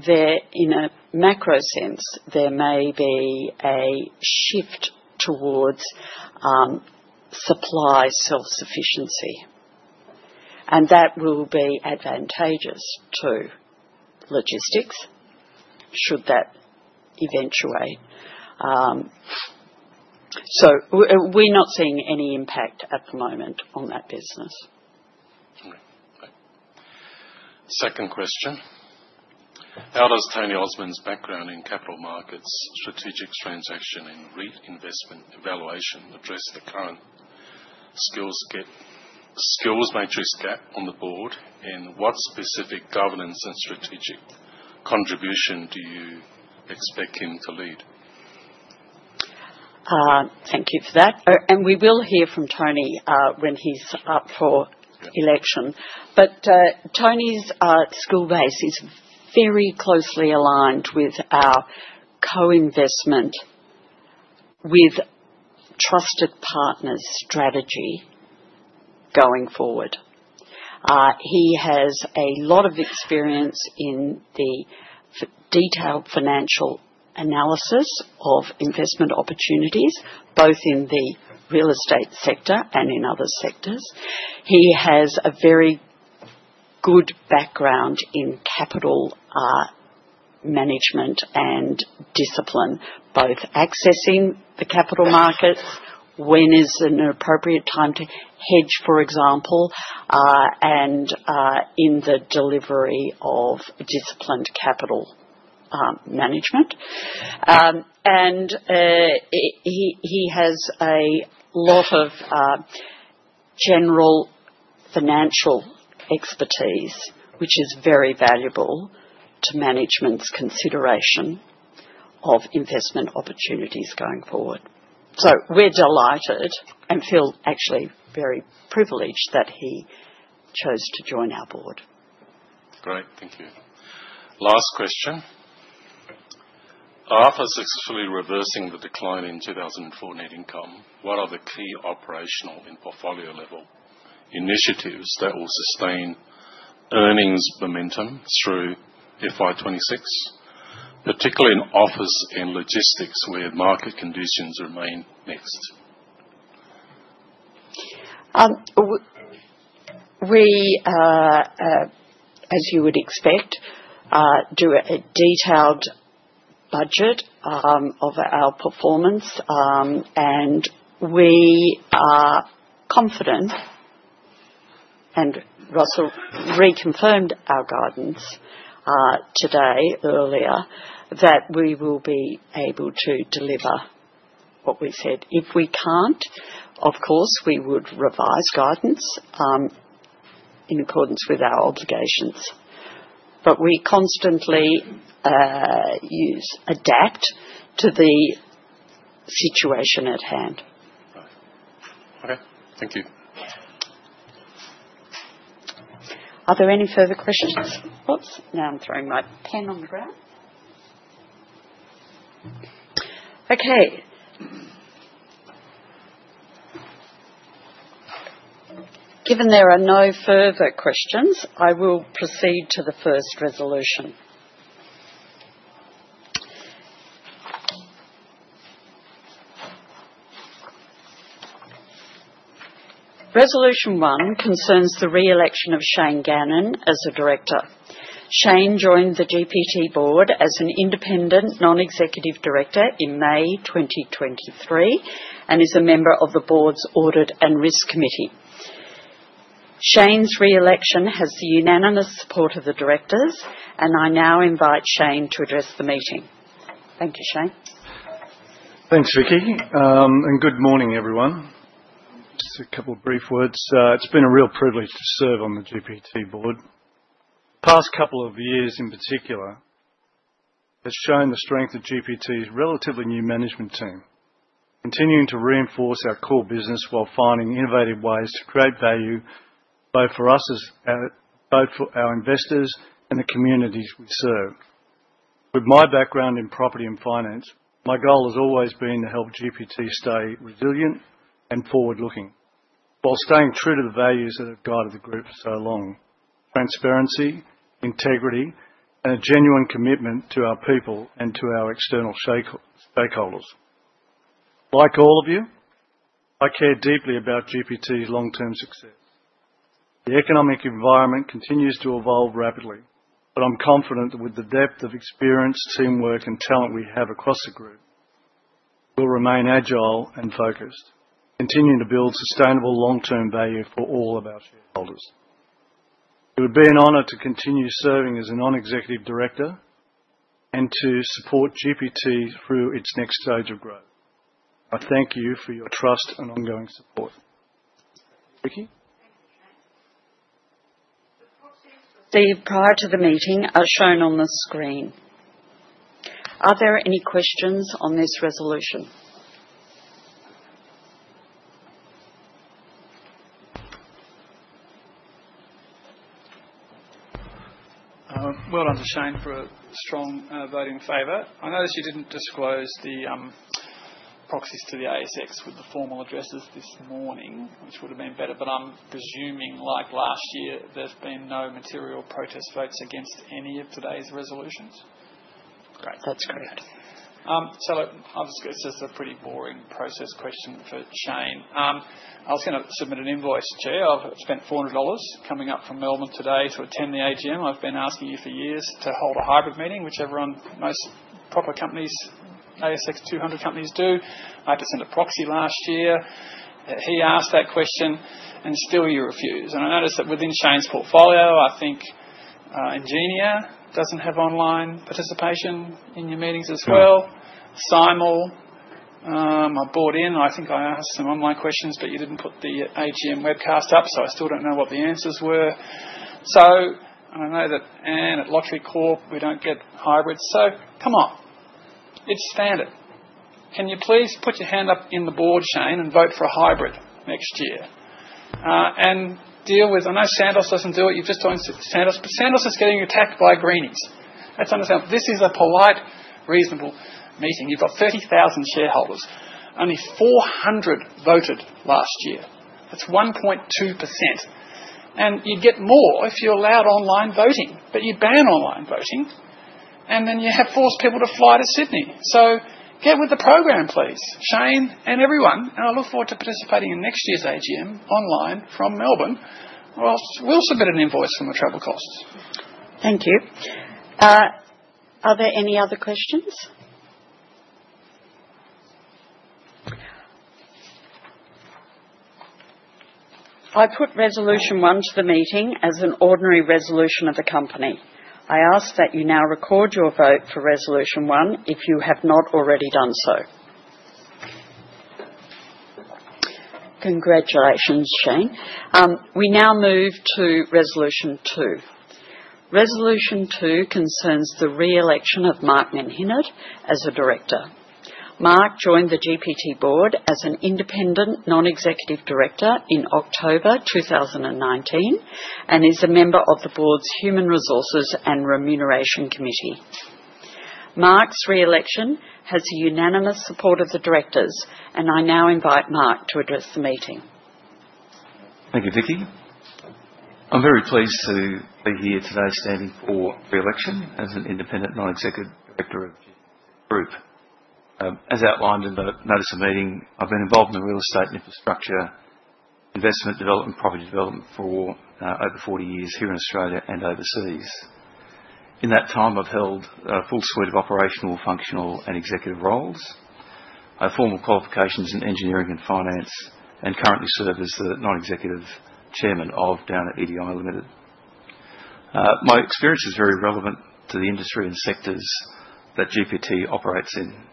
in a macro sense, there may be a shift towards supply self-sufficiency. That will be advantageous to logistics should that eventuate. We're not seeing any impact at the moment on that business. All right. Thank you. Second question. How does Tony Osmond's background in capital markets, strategic transaction, and REIT investment evaluation address the current skills matrix gap on the Board? What specific governance and strategic contribution do you expect him to lead? Thank you for that. We will hear from Tony when he's up for election. Tony's skill base is very closely aligned with our co-investment with trusted partners strategy going forward. He has a lot of experience in the detailed financial analysis of investment opportunities, both in the real estate sector and in other sectors. He has a very good background in capital management and discipline, both accessing the capital markets, when is an appropriate time to hedge, for example, and in the delivery of disciplined capital management. He has a lot of general financial expertise, which is very valuable to Management's consideration of investment opportunities going forward. We're delighted and feel actually very privileged that he chose to join our Board. Great. Thank you. Last question. After successfully reversing the decline in 2024 net income, what are the key operational and portfolio-level initiatives that will sustain earnings momentum through FY 2026, particularly in office and logistics, where market conditions remain mixed? We, as you would expect, do a detailed budget of our performance. We are confident, and Russell reconfirmed our guidance today, earlier, that we will be able to deliver what we said. If we can't, of course, we would revise guidance in accordance with our obligations. We constantly adapt to the situation at hand. Right. Okay. Thank you. Are there any further questions? Oops. Now I'm throwing my pen on the ground. Okay. Given there are no further questions, I will proceed to the first resolution. Resolution 1 concerns the re-election of Shane Gannon as a Director. Shane joined the GPT Board as an Independent Non-Executive Director in May 2023 and is a member of the Board's Audit and Risk Committee. Shane's re-election has the unanimous support of the Directors, and I now invite Shane to address the Meeting. Thank you, Shane. Thanks, Vickki. Good morning, everyone. Just a couple of brief words. It's been a real privilege to serve on the GPT Board. Past couple of years, in particular, has shown the strength of GPT's relatively new management team, continuing to reinforce our core business while finding innovative ways to create value, both for our investors and the communities we serve. With my background in property and finance, my goal has always been to help GPT stay resilient and forward-looking while staying true to the values that have guided the Group for so long, transparency, integrity, and a genuine commitment to our people and to our external stakeholders. Like all of you, I care deeply about GPT's long-term success. The economic environment continues to evolve rapidly, but I'm confident that with the depth of experience, teamwork, and talent we have across the Group, we'll remain agile and focused, continuing to build sustainable long-term value for all of our shareholders. It would be an honor to continue serving as a Non-Executive Director and to support GPT through its next stage of growth. I thank you for your trust and ongoing support. Vickki. Thank you, Shane. The proxies, Steve, prior to the meeting are shown on the screen. Are there any questions on this resolution? Well done to Shane for a strong vote in favor. I notice you didn't disclose the proxies to the ASX with the formal addresses this morning, which would've been better, but I'm presuming, like last year, there's been no material protest votes against any of today's resolutions? Great. That's correct. It's just a pretty boring process question for Shane. I was going to submit an invoice, Chair. I've spent 400 dollars coming up from Melbourne today to attend the AGM. I've been asking you for years to hold a hybrid meeting, which most proper ASX 200 companies do. I had to send a proxy last year. He asked that question, and still you refuse. I notice that within Shane's portfolio, I think Ingenia doesn't have online participation in your meetings as well. Symal, I bought in. I think I asked some online questions, but you didn't put the AGM webcast up, so I still don't know what the answers were. I know that Anne at Lottery Corp, we don't get hybrid. Come on. It's standard. Can you please put your hand up in the Board, Shane, and vote for a hybrid next year? I know Santos doesn't do it. You've just joined Santos. Santos is getting attacked by Greens. Let's understand. This is a polite, reasonable meeting. You've got 30,000 shareholders. Only 400 voted last year. That's 1.2%. You'd get more if you allowed online voting, but you ban online voting, and then you have forced people to fly to Sydney. Get with the program, please, Shane and everyone. I look forward to participating in next year's AGM online from Melbourne, or else we'll submit an invoice from the travel costs. Thank you. Are there any other questions? I put Resolution 1 to the Meeting as an ordinary resolution of the Company. I ask that you now record your vote for Resolution 1 if you have not already done so. Congratulations, Shane. We now move to Resolution 2. Resolution 2 concerns the re-election of Mark Menhinnitt as a Director. Mark joined the GPT Board as an Independent Non-Executive Director in October 2019 and is a member of the Board's Human Resources and Remuneration Committee. Mark's re-election has the unanimous support of the Directors, and I now invite Mark to address the Meeting. Thank you, Vickki. I'm very pleased to be here today standing for re-election as an Independent Non-Executive Director of the Group. As outlined in the Notice of Meeting, I've been involved in the real estate infrastructure, investment development, property development for over 40 years here in Australia and overseas. In that time, I've held a full suite of operational, functional, and executive roles. I have formal qualifications in engineering and finance and currently serve as the Non-Executive Chairman of Downer EDI Limited. My experience is very relevant to the industry and sectors that GPT operates in.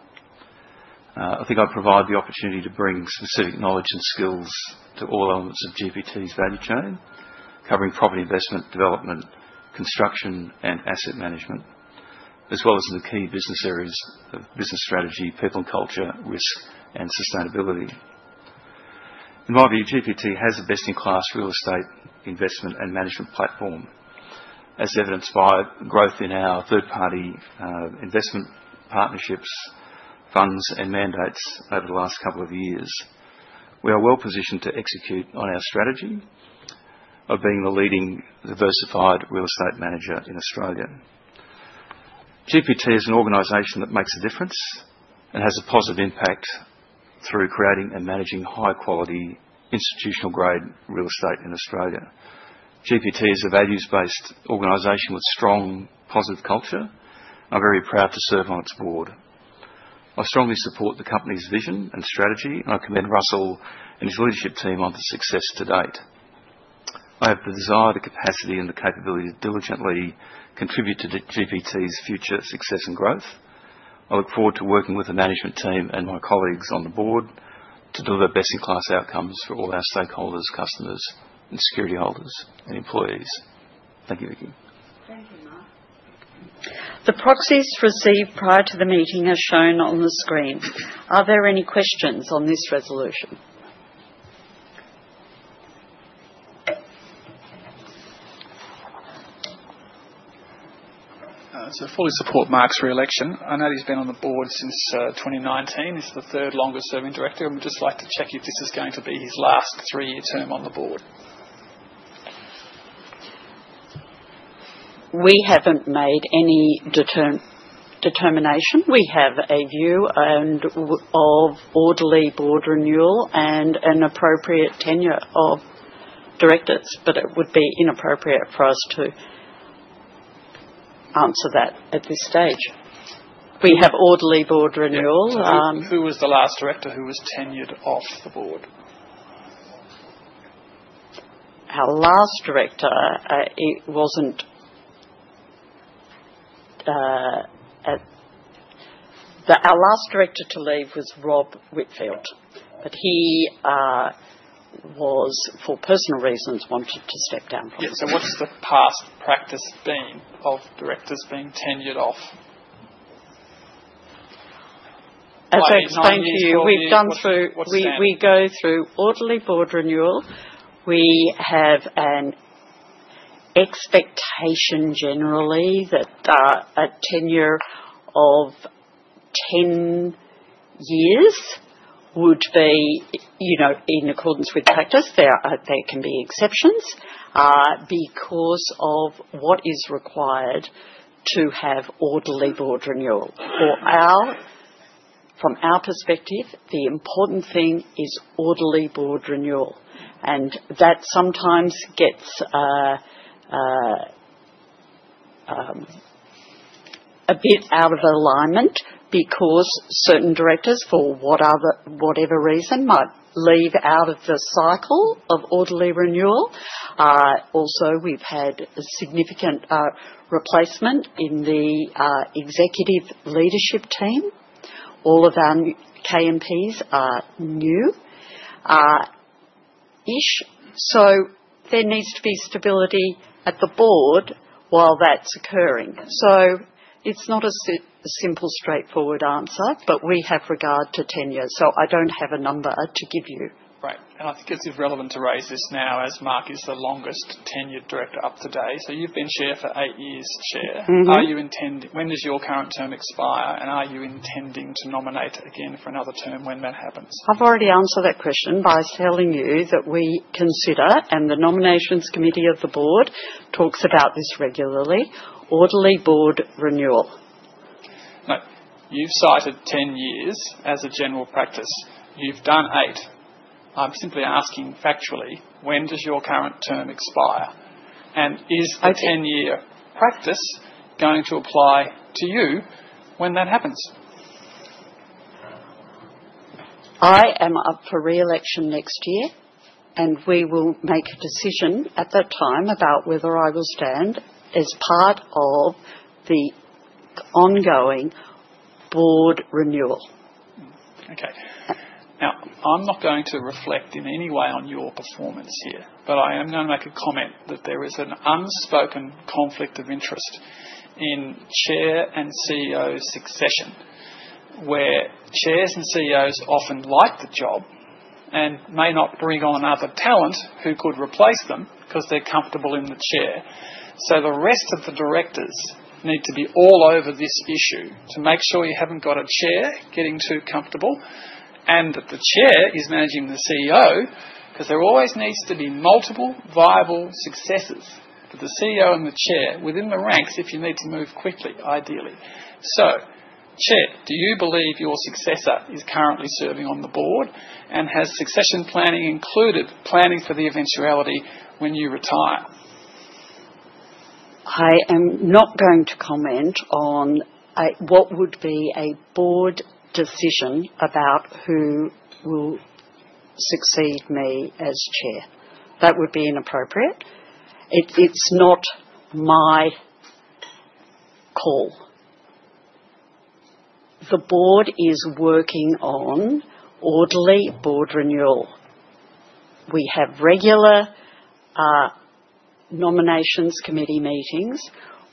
I think I provide the opportunity to bring specific knowledge and skills to all elements of GPT's value chain, covering property investment, development, construction, and asset management, as well as in the key business areas of business strategy, people and culture, risk, and sustainability. In my view, GPT has a best-in-class real estate investment and management platform, as evidenced by growth in our third-party investment partnerships, funds, and mandates over the last couple of years. We are well-positioned to execute on our strategy of being the leading diversified real estate manager in Australia. GPT is an organization that makes a difference and has a positive impact through creating and managing high-quality institutional-grade real estate in Australia. GPT is a values-based organization with strong positive culture. I'm very proud to serve on its board. I strongly support the company's vision and strategy, and I commend Russell and his leadership team on the success to date. I have the desire, the capacity, and the capability to diligently contribute to GPT's future success and growth. I look forward to working with the management team and my colleagues on the Board to deliver best-in-class outcomes for all our stakeholders, customers, and security holders and employees. Thank you, Vickki. Thank you, Mark. The proxies received prior to the meeting are shown on the screen. Are there any questions on this resolution? I fully support Mark's re-election. I know he's been on the Board since 2019. He's the third longest-serving Director. I would just like to check if this is going to be his last three-year term on the Board. We haven't made any determination. We have a view of orderly Board renewal and an appropriate tenure of Directors, but it would be inappropriate for us to answer that at this stage. Yeah. Who was the last Director who was tenured off the Board? Our last Director to leave was Rob Whitfield. Yeah. He, for personal reasons, wanted to step down from the Board. Yeah. What's the past practice been of directors being tenured off? Thank you. We go through orderly Board renewal. We have an expectation generally that a tenure of 10 years would be in accordance with practice. There can be exceptions because of what is required to have orderly Board renewal. From our perspective, the important thing is orderly Board renewal, and that sometimes gets a bit out of alignment because certain directors, for whatever reason, might leave out of the cycle of orderly renewal. Also, we've had a significant replacement in the Executive Leadership Team. All of our KMPs are new-ish, so there needs to be stability at the Board while that's occurring. It's not a simple, straightforward answer, but we have regard to tenure, so I don't have a number to give you. Right. I think it's irrelevant to raise this now, as Mark is the longest-tenured Director up to date. You've been Chair for eight years, Chair. When does your current term expire, and are you intending to nominate again for another term when that happens? I've already answered that question by telling you that we consider, and the Nominations Committee of the Board talks about this regularly, orderly Board renewal. No. You've cited 10 years as a general practice. You've done eight. I'm simply asking factually, when does your current term expire? Okay. The 10-year practice going to apply to you when that happens? I am up for re-election next year, and we will make a decision at that time about whether I will stand as part of the ongoing board renewal. Okay. Now, I'm not going to reflect in any way on your performance here, but I am going to make a comment that there is an unspoken conflict of interest in Chair and CEO succession, where Chairs and CEOs often like the job and may not bring on other talent who could replace them because they're comfortable in the Chair. The rest of the Directors need to be all over this issue to make sure you haven't got a Chair getting too comfortable and that the Chair is managing the CEO, because there always needs to be multiple viable successors for the CEO and the Chair within the ranks if you need to move quickly, ideally. Chair, do you believe your successor is currently serving on the Board, and has succession planning included planning for the eventuality when you retire? I am not going to comment on what would be a Board decision about who will succeed me as Chair. That would be inappropriate. It's not my call. The Board is working on orderly Board renewal. We have regular Nominations Committee meetings.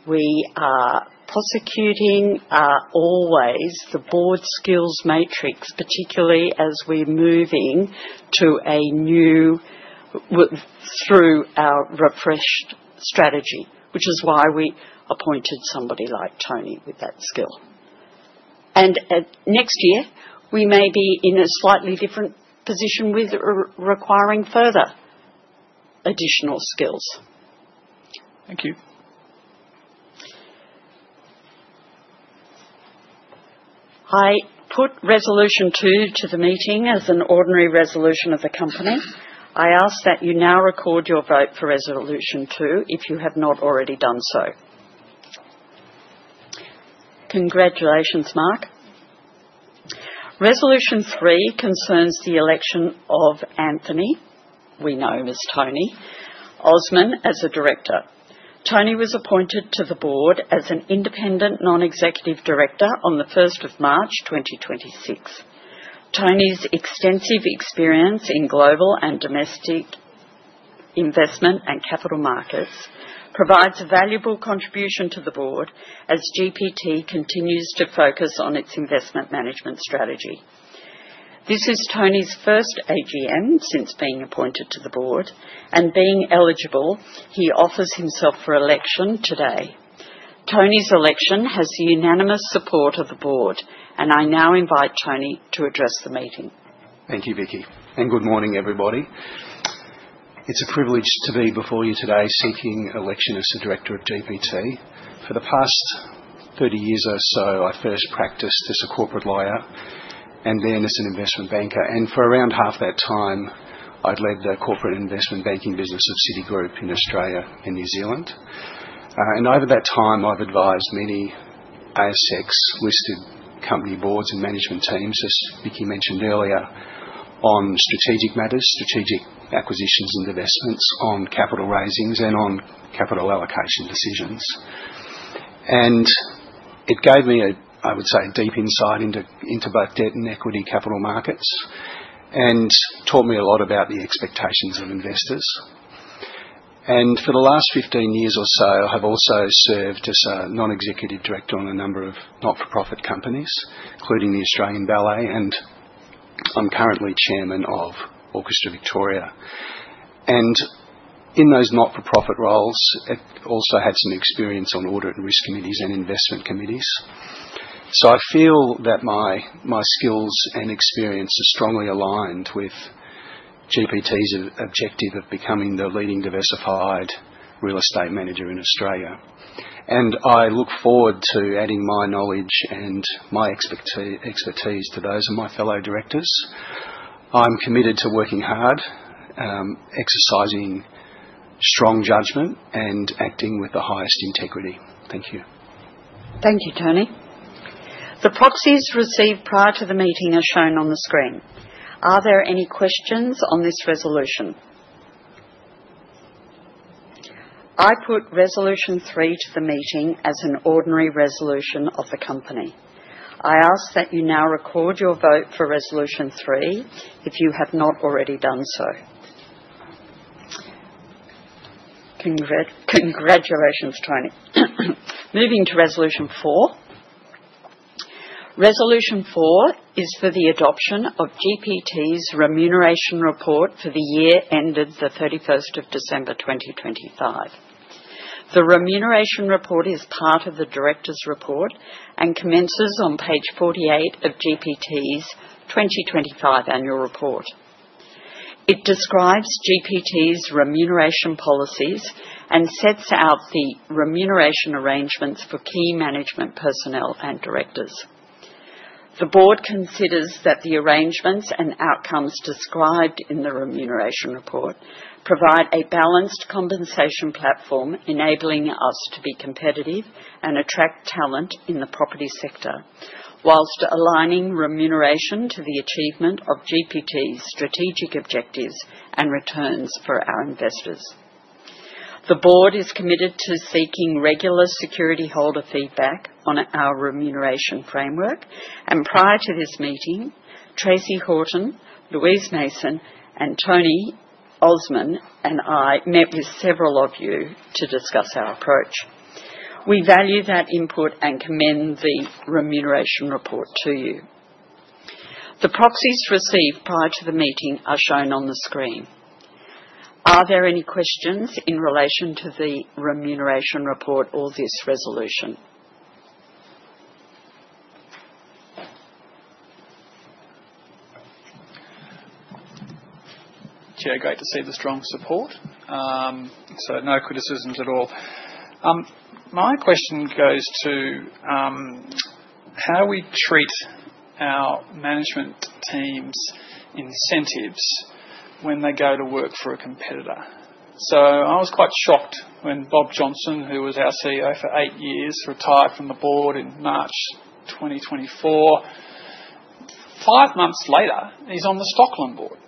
We are prosecuting always the Board Skills Matrix, particularly through our refreshed strategy, which is why we appointed somebody like Tony with that skill. Next year, we may be in a slightly different position with requiring further additional skills. Thank you. I put Resolution 2 to the meeting as an ordinary resolution of the Company. I ask that you now record your vote for Resolution 2 if you have not already done so. Congratulations, Mark. Resolution 3 concerns the election of Anthony, we know as Tony, Osmond as a Director. Tony was appointed to the Board as an Independent Non-Executive Director on the first of March 2026. Tony's extensive experience in global and domestic investment and capital markets provides a valuable contribution to the Board as GPT continues to focus on its investment management strategy. This is Tony's first AGM since being appointed to the Board, and being eligible, he offers himself for election today. Tony's election has the unanimous support of the Board, and I now invite Tony to address the meeting. Thank you, Vickki, and good morning, everybody. It's a privilege to be before you today seeking election as a Director of GPT. For the past 30 years or so, I first practiced as a corporate lawyer and then as an investment banker, and for around half that time, I'd led the corporate investment banking business of Citigroup in Australia and New Zealand. Over that time, I've advised many ASX-listed company boards and management teams, as Vickki mentioned earlier, on strategic matters, strategic acquisitions and divestments, on capital raisings, and on capital allocation decisions. It gave me, I would say, a deep insight into both debt and equity capital markets and taught me a lot about the expectations of investors. For the last 15 years or so, I have also served as a Non-Executive Director on a number of not-for-profit companies, including The Australian Ballet, and I'm currently Chairman of Orchestra Victoria. In those not-for-profit roles, I also had some experience on Audit and Risk Committees and Investment Committees. I feel that my skills and experience are strongly aligned with GPT's objective of becoming the leading diversified real estate manager in Australia. I look forward to adding my knowledge and my expertise to those of my fellow directors. I'm committed to working hard, exercising strong judgment, and acting with the highest integrity. Thank you. Thank you, Tony. The proxies received prior to the meeting are shown on the screen. Are there any questions on this resolution? I put Resolution 3 to the meeting as an ordinary resolution of the Company. I ask that you now record your vote for Resolution 3, if you have not already done so. Congratulations, Tony. Moving to Resolution 4. Resolution 4 is for the adoption of GPT's Remuneration Report for the year ended the 31st of December 2025. The Remuneration Report is part of the Directors' Report and commences on page 48 of GPT's 2025 Annual Report. It describes GPT's remuneration policies and sets out the remuneration arrangements for Key Management Personnel and directors. The Board considers that the arrangements and outcomes described in the Remuneration Report provide a balanced compensation platform, enabling us to be competitive and attract talent in the property sector, whilst aligning remuneration to the achievement of GPT's strategic objectives and returns for our investors. The Board is committed to seeking regular securityholder feedback on our Remuneration Framework, and prior to this meeting, Tracey Horton, Louise Mason, and Tony Osmond and I met with several of you to discuss our approach. We value that input and commend the Remuneration Report to you. The proxies received prior to the meeting are shown on the screen. Are there any questions in relation to the Remuneration Report or this resolution? Chair, great to see the strong support. No criticisms at all. My question goes to how we treat our management team's incentives when they go to work for a competitor. I was quite shocked when Bob Johnston, who was our CEO for eight years, retired from the Board in March 2024. Five months later, he's on the Stockland Board.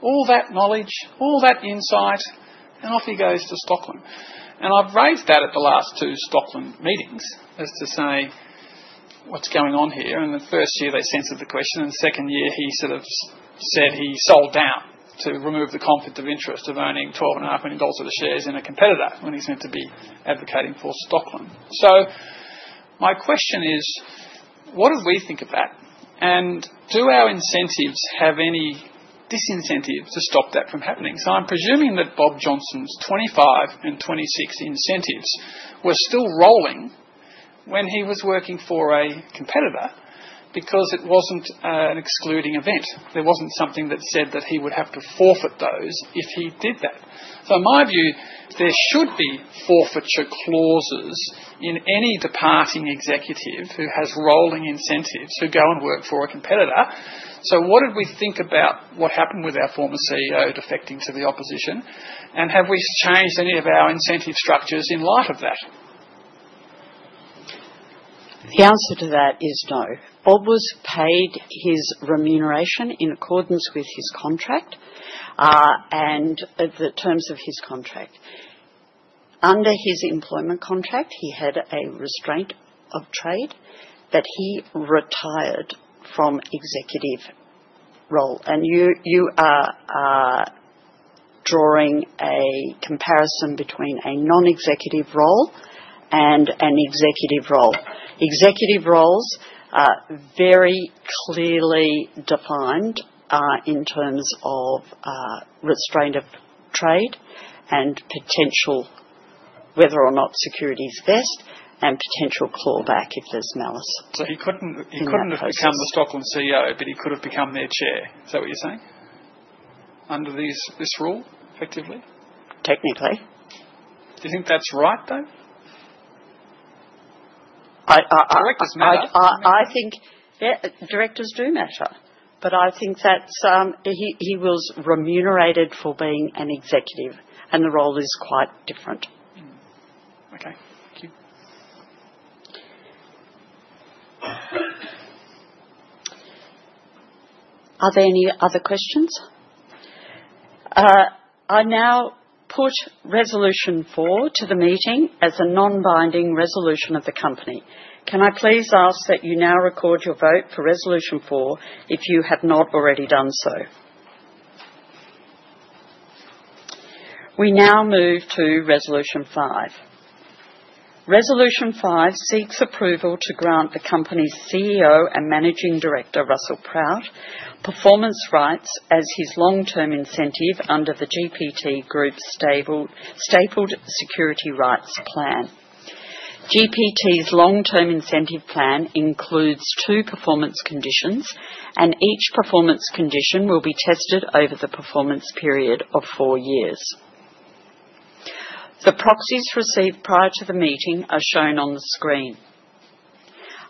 All that knowledge, all that insight, and off he goes to Stockland. I've raised that at the last two Stockland meetings as to say, what's going on here? The first year they censored the question, and the second year he sort of said he sold out to remove the conflict of interest of owning twelve and a half million dollars of the shares in a competitor when he's meant to be advocating for Stockland. My question is, what do we think of that? Do our incentives have any disincentive to stop that from happening? I'm presuming that Bob Johnston's 2025 and 2026 incentives were still rolling when he was working for a competitor because it wasn't an excluding event. There wasn't something that said that he would have to forfeit those if he did that. In my view, there should be forfeiture clauses in any departing executive who has rolling incentives who go and work for a competitor. What did we think about what happened with our former CEO defecting to the opposition, and have we changed any of our incentive structures in light of that? The answer to that is no. Bob was paid his remuneration in accordance with his contract, and the terms of his contract. Under his employment contract, he had a restraint of trade, but he retired from executive role. You are drawing a comparison between a non-executive role and an executive role. Executive roles are very clearly defined in terms of restraint of trade and potential, whether or not securities vest, and potential clawback if there's malice. He couldn't. In that process. He couldn't have become the Stockland CEO, but he could have become their Chair. Is that what you're saying under this rule, effectively? Technically. Do you think that's right, though? Directors matter. I think, yeah, Directors do matter. I think that he was remunerated for being an Executive, and the role is quite different. Okay. Thank you. Are there any other questions? I now put Resolution 4 to the meeting as a non-binding resolution of the Company. Can I please ask that you now record your vote for Resolution 4 if you have not already done so? We now move to Resolution 5. Resolution 5 seeks approval to grant the Company's CEO and Managing Director, Russell Proutt, performance rights as his long-term incentive under The GPT Group Stapled Security Rights Plan. GPT's long-term incentive plan includes two performance conditions, and each performance condition will be tested over the performance period of four years. The proxies received prior to the meeting are shown on the screen.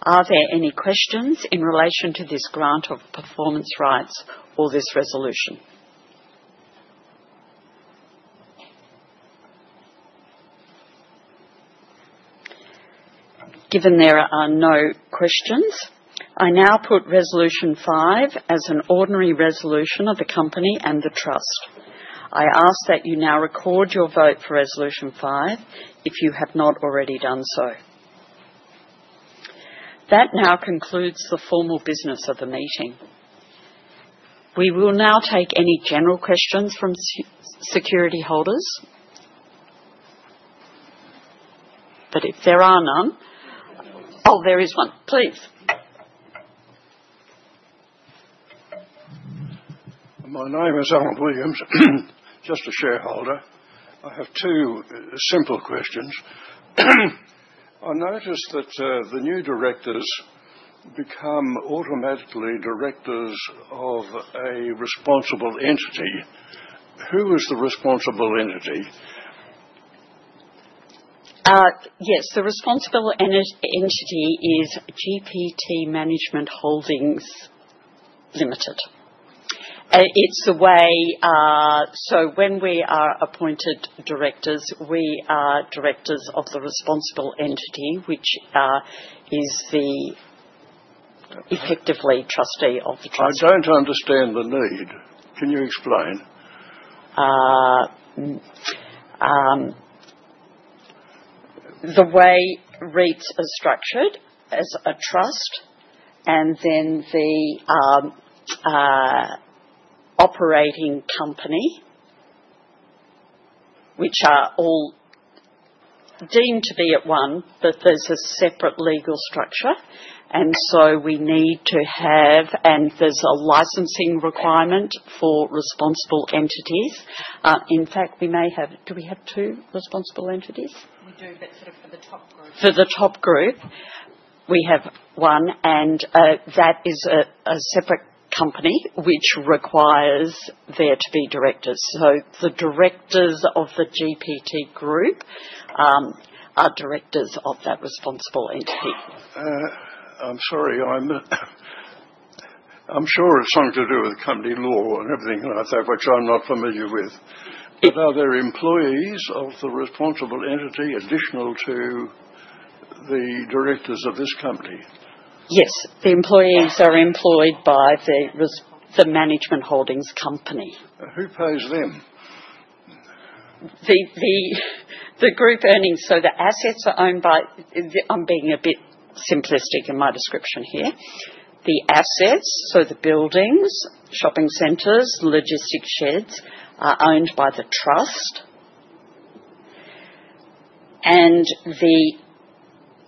Are there any questions in relation to this grant of performance rights or this resolution? Given there are no questions, I now put Resolution 5 as an ordinary resolution of the Company and the Trust. I ask that you now record your vote for Resolution 5 if you have not already done so. That now concludes the formal business of the meeting. We will now take any general questions from security holders. If there are none. Oh, there is one. Please. My name is Arnold Williams, just a shareholder. I have two simple questions. I notice that the new Directors become automatically Directors of a Responsible Entity. Who is the Responsible Entity? Yes. The Responsible Entity is GPT Management Holdings Limited. When we are appointed directors, we are directors of the Responsible Entity, which is the effectively trustee of the trust. I don't understand the need. Can you explain? The way REITs are structured as a trust, and then the operating company, which are all deemed to be at one, but there's a separate legal structure, and there's a licensing requirement for Responsible Entities. In fact, do we have two Responsible Entities? We do, but sort of for the top Group. For the top group, we have one, and that is a separate company which requires there to be Directors. The Directors of The GPT Group are Directors of that Responsible Entity. I'm sorry. I'm sure it's something to do with company law and everything like that, which I'm not familiar with. Are there employees of the Responsible Entity additional to the Directors of this company? Yes. The employees are employed by the Management Holdings company. Who pays them? The Group earnings. I'm being a bit simplistic in my description here. The assets, so the buildings, shopping centers, logistics sheds, are owned by the trust. The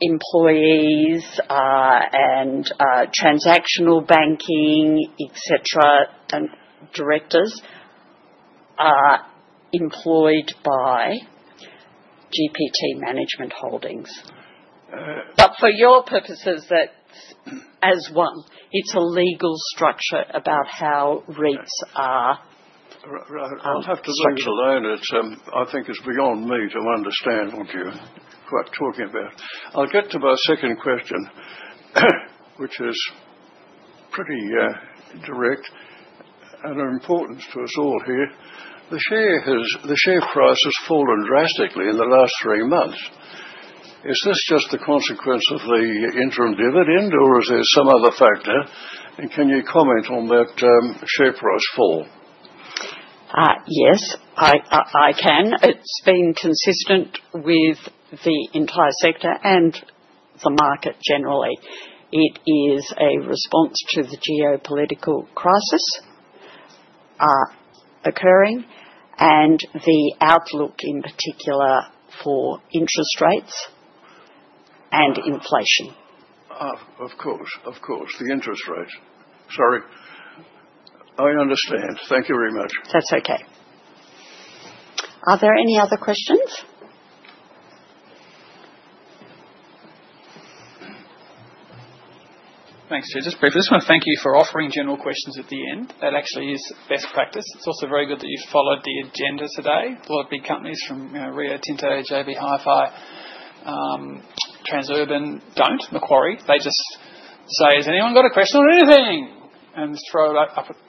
employees and transactional banking, et cetera, and directors are employed by GPT Management Holdings. All right. For your purposes, as one, it's a legal structure about how REITs are structured. I'll have to leave it alone. I think it's beyond me to understand what you're talking about. I'll get to my second question, which is pretty direct and are important to us all here. The share price has fallen drastically in the last three months. Is this just a consequence of the interim dividend, or is there some other factor? Can you comment on that share price fall? Yes, I can. It's been consistent with the entire sector and the market generally. It is a response to the geopolitical crisis occurring and the outlook, in particular, for interest rates and inflation. Of course, the interest rate. Sorry, I understand. Thank you very much. That's okay. Are there any other questions? Thanks, Chair. Just briefly, I just want to thank you for offering general questions at the end. That actually is best practice. It's also very good that you followed the agenda today. A lot of big companies from Rio Tinto to JB Hi-Fi, Transurban, don't, Macquarie. They just say, "Has anyone got a question on anything?" Just throw the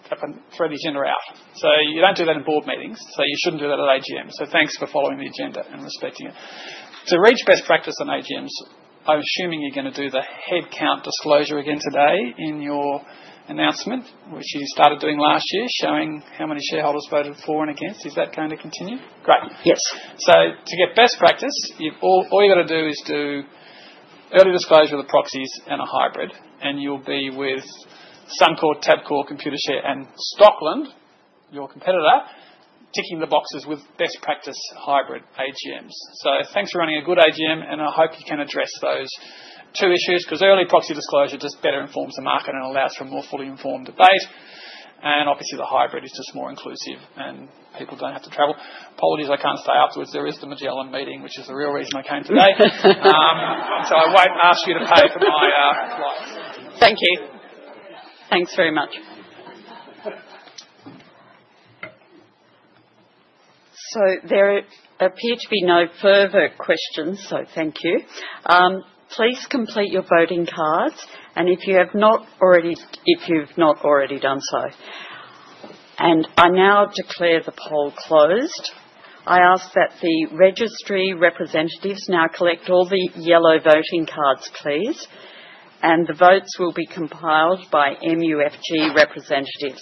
agenda out. You don't do that in board meetings, so you shouldn't do that at AGM. Thanks for following the agenda and respecting it. To reach best practice on AGMs, I'm assuming you're going to do the headcount disclosure again today in your announcement, which you started doing last year, showing how many shareholders voted for and against. Is that going to continue? Great. Yes. To get best practice, all you got to do is do early disclosure of the proxies and a hybrid, and you'll be with Suncorp, Tabcorp, Computershare, and Stockland, your competitor, ticking the boxes with best practice hybrid AGMs. Thanks for running a good AGM, and I hope you can address those two issues, because early proxy disclosure just better informs the market and allows for a more fully informed debate. Obviously, the hybrid is just more inclusive, and people don't have to travel. Apologies, I can't stay afterwards. There is the Magellan meeting, which is the real reason I came today. I won't ask you to pay for my flight. Thank you. Thanks very much. There appear to be no further questions, so thank you. Please complete your voting cards, and if you've not already done so. I now declare the poll closed. I ask that the registry representatives now collect all the yellow voting cards, please, and the votes will be compiled by MUFG representatives.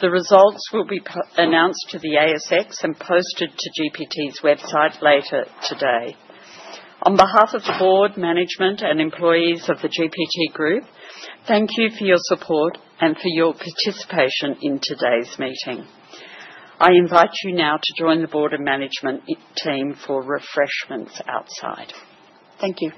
The results will be announced to the ASX and posted to GPT's website later today. On behalf of the Board, Management, and employees of The GPT Group, thank you for your support and for your participation in today's meeting. I invite you now to join the Board and Management team for refreshments outside. Thank you.